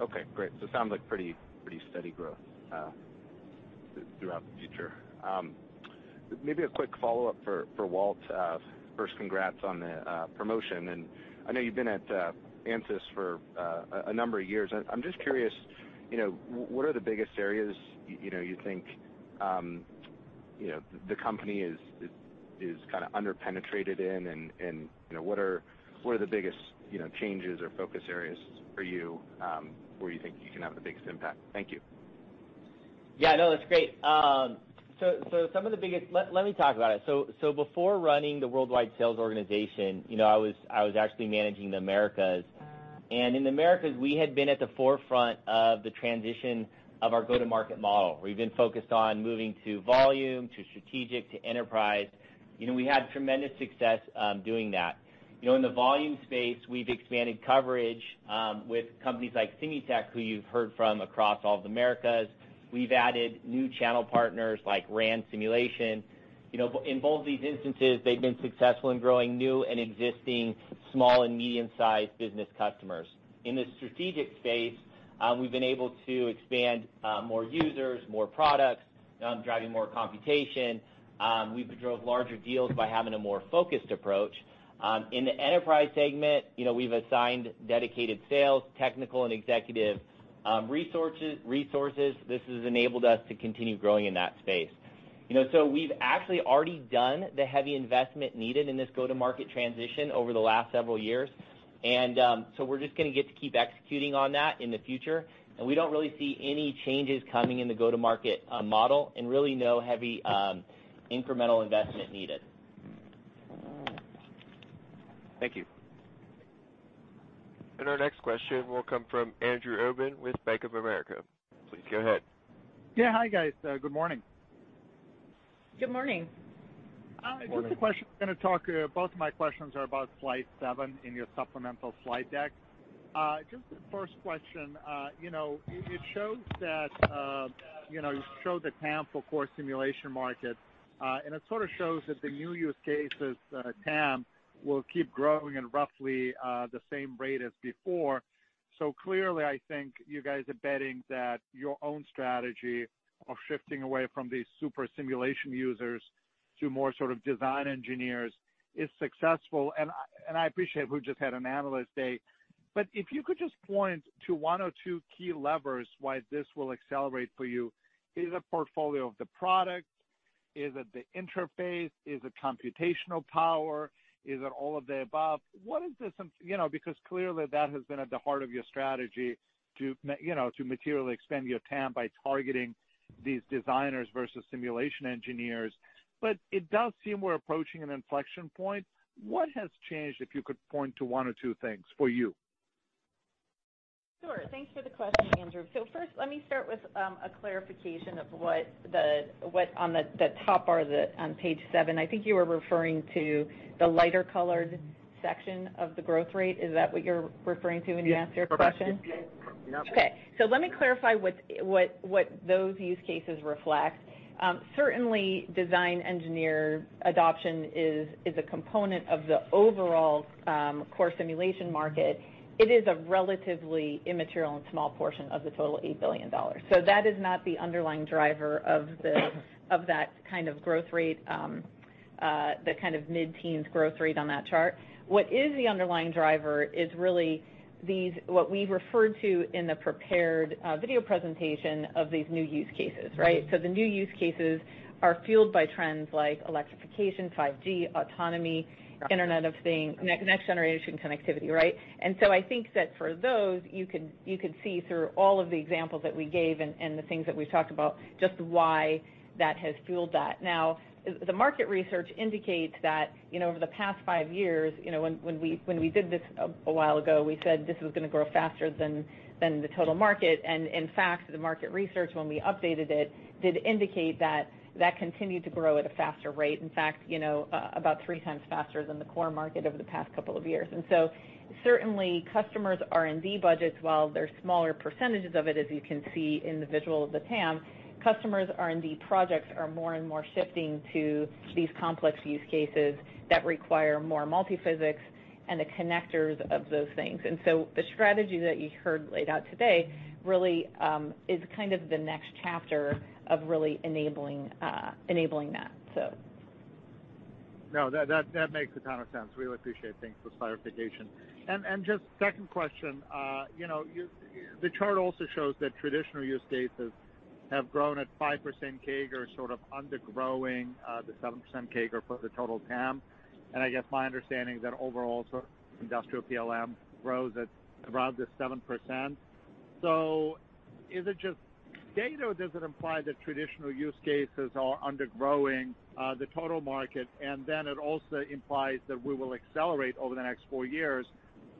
Okay. Great. It sounds like pretty steady growth throughout the future. Maybe a quick follow-up for Walt. First, congrats on the promotion. I know you've been at Ansys for a number of years. I'm just curious, you know, what are the biggest areas, you know, you think, you know, the company is kinda under-penetrated in? You know, what are the biggest changes or focus areas for you, where you think you can have the biggest impact? Thank you. Yeah, no, that's great. Let me talk about it. So before running the worldwide sales organization, you know, I was actually managing the Americas. In the Americas, we had been at the forefront of the transition of our go-to-market model. We've been focused on moving to volume, to strategic, to enterprise. You know, we had tremendous success doing that. You know, in the volume space, we've expanded coverage with companies like SimuTech, who you've heard from across all of the Americas. We've added new channel partners like Rand Simulation. You know, in both these instances, they've been successful in growing new and existing small and medium-sized business customers. In the strategic space, we've been able to expand more users, more products, driving more computation. We've drove larger deals by having a more focused approach. In the enterprise segment, you know, we've assigned dedicated sales, technical and executive resources. This has enabled us to continue growing in that space. You know, we've actually already done the heavy investment needed in this go-to-market transition over the last several years. We're just gonna get to keep executing on that in the future. We don't really see any changes coming in the go-to-market model and really no heavy incremental investment needed. Thank you. Our next question will come from Andrew Obin with Bank of America. Please go ahead. Yeah. Hi, guys. Good morning. Good morning. Good morning. Just a question. Both of my questions are about slide seven in your supplemental slide deck. Just the first question, you know, it shows that, you know, you show the TAM for core simulation market, and it sort of shows that the new use cases TAM will keep growing at roughly the same rate as before. Clearly, I think you guys are betting that your own strategy of shifting away from these super simulation users to more sort of design engineers is successful. I appreciate we've just had an analyst day, but if you could just point to one or two key levers why this will accelerate for you, is it a portfolio of the product? Is it the interface? Is it computational power? Is it all of the above? You know, because clearly that has been at the heart of your strategy to, you know, to materially expand your TAM by targeting these designers versus simulation engineers. It does seem we're approaching an inflection point. What has changed, if you could point to one or two things for you? Sure. Thanks for the question, Andrew Obin. First, let me start with a clarification of what on the top bar on page seven, I think you were referring to the lighter-colored section of the growth rate. Is that what you're referring to when you ask your question? Yes. Correct. Yes. Yep. Okay. Let me clarify what those use cases reflect. Certainly design engineer adoption is a component of the overall core simulation market. It is a relatively immaterial and small portion of the total $8 billion. That is not the underlying driver of that kind of growth rate, the kind of mid-teens growth rate on that chart. What is the underlying driver is really these, what we referred to in the prepared video presentation of these new use cases, right? The new use cases are fueled by trends like electrification, 5G, autonomy, internet of things, next generation connectivity, right? I think that for those, you can see through all of the examples that we gave and the things that we've talked about just why that has fueled that. Now, the market research indicates that, you know, over the past five years, you know, when we did this a while ago, we said this was gonna grow faster than the total market. In fact, the market research when we updated it did indicate that it continued to grow at a faster rate. In fact, you know, about 3x faster than the core market over the past couple of years. Certainly customers' R&D budgets, while they're smaller percentages of it, as you can see in the visual of the TAM, customers' R&D projects are more and more shifting to these complex use cases that require more multiphysics and the connectors of those things. The strategy that you heard laid out today really is kind of the next chapter of really enabling that. No, that makes a ton of sense. Really appreciate it. Thanks for the clarification. Just second question. The chart also shows that traditional use cases have grown at 5% CAGR or sort of undergrowing the 7% CAGR for the total TAM. I guess, my understanding is that overall, industrial PLM grows at around the 7%. Is it just data, or does it imply that traditional use cases are undergrowing the total market? Then it also implies that we will accelerate over the next four years.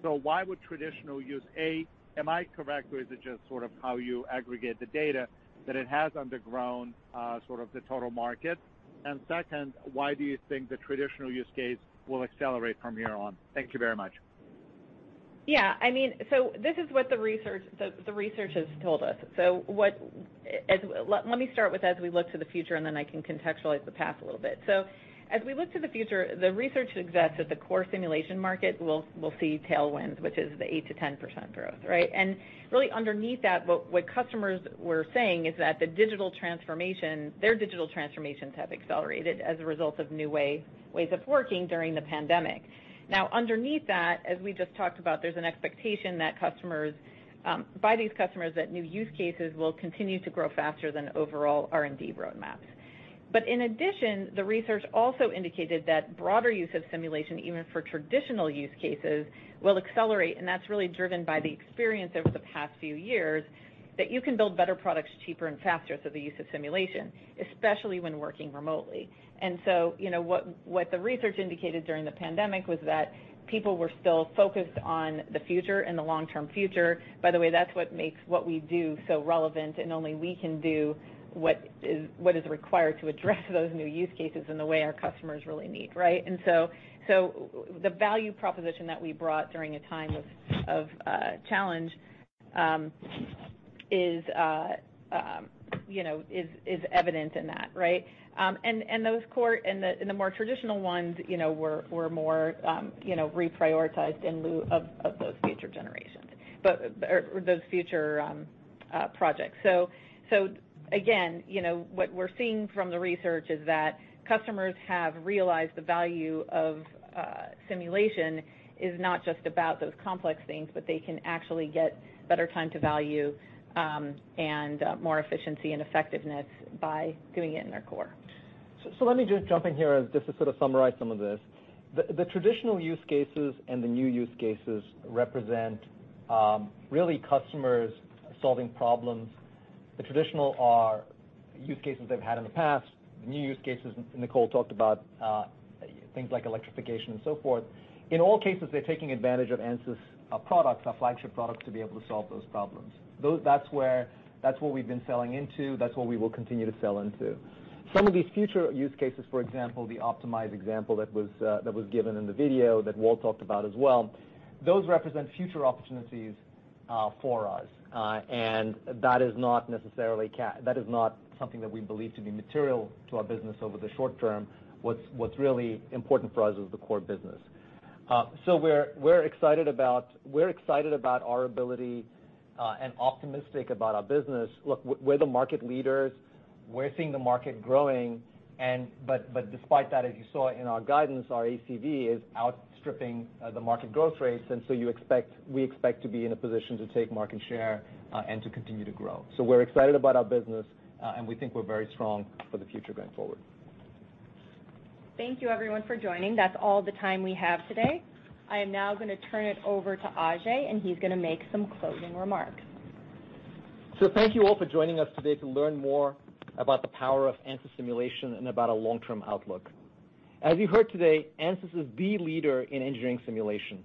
Why would traditional use? A, am I correct, or is it just sort of how you aggregate the data that it has undergrown sort of the total market? Second, why do you think the traditional use case will accelerate from here on? Thank you very much. Yeah, I mean, this is what the research has told us. Let me start with, as we look to the future, and then I can contextualize the past a little bit. As we look to the future, the research suggests that the core simulation market will see tailwinds, which is the 8%-10% growth, right? Really underneath that, what customers were saying is that the digital transformations have accelerated as a result of new ways of working during the pandemic. Now, underneath that, as we just talked about, there's an expectation by these customers that new use cases will continue to grow faster than overall R&D roadmaps. In addition, the research also indicated that broader use of simulation, even for traditional use cases, will accelerate, and that's really driven by the experience over the past few years that you can build better products cheaper and faster through the use of simulation, especially when working remotely. You know, what the research indicated during the pandemic was that people were still focused on the future and the long-term future. By the way, that's what makes what we do so relevant, and only we can do what is required to address those new use cases in the way our customers really need, right? The value proposition that we brought during a time of challenge is, you know, evident in that, right? Those core and the more traditional ones, you know, were more reprioritized in lieu of those future generations, or those future projects. Again, you know, what we're seeing from the research is that customers have realized the value of simulation is not just about those complex things, but they can actually get better time to value and more efficiency and effectiveness by doing it in their core. Let me just jump in here just to sort of summarize some of this. The traditional use cases and the new use cases represent really customers solving problems. The traditional are use cases they've had in the past. The new use cases Nicole talked about things like electrification and so forth. In all cases, they're taking advantage of Ansys, our products, our flagship products to be able to solve those problems. That's where that's what we've been selling into. That's what we will continue to sell into. Some of these future use cases, for example, the optimized example that was given in the video that Walt talked about as well, those represent future opportunities for us. That is not something that we believe to be material to our business over the short term. What's really important for us is the core business. We're excited about our ability and optimistic about our business. Look, we're the market leaders. We're seeing the market growing, but despite that, as you saw in our guidance, our ACV is outstripping the market growth rates. We expect to be in a position to take market share and to continue to grow. We're excited about our business and we think we're very strong for the future going forward. Thank you everyone for joining. That's all the time we have today. I am now gonna turn it over to Ajei, and he's gonna make some closing remarks. So thank you all for joining us today to learn more about the power of Ansys simulation and about our long-term outlook. As you heard today, Ansys is the leader in engineering simulation.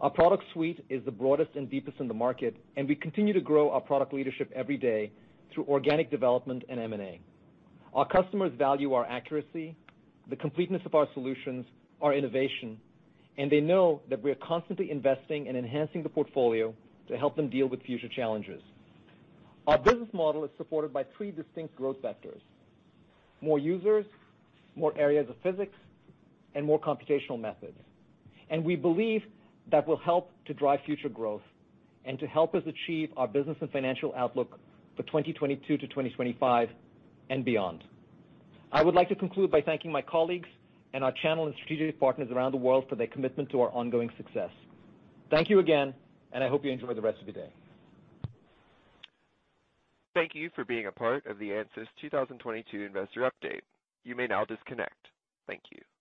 Our product suite is the broadest and deepest in the market, and we continue to grow our product leadership every day through organic development and M&A. Our customers value our accuracy, the completeness of our solutions, our innovation, and they know that we are constantly investing in enhancing the portfolio to help them deal with future challenges. Our business model is supported by three distinct growth vectors: more users, more areas of physics, and more computational methods. We believe that will help to drive future growth and to help us achieve our business and financial outlook for 2022 to 2025 and beyond. I would like to conclude by thanking my colleagues and our channel and strategic partners around the world for their commitment to our ongoing success. Thank you again, and I hope you enjoy the rest of the day. Thank you for being a part of the Ansys 2022 investor update. You may now disconnect. Thank you.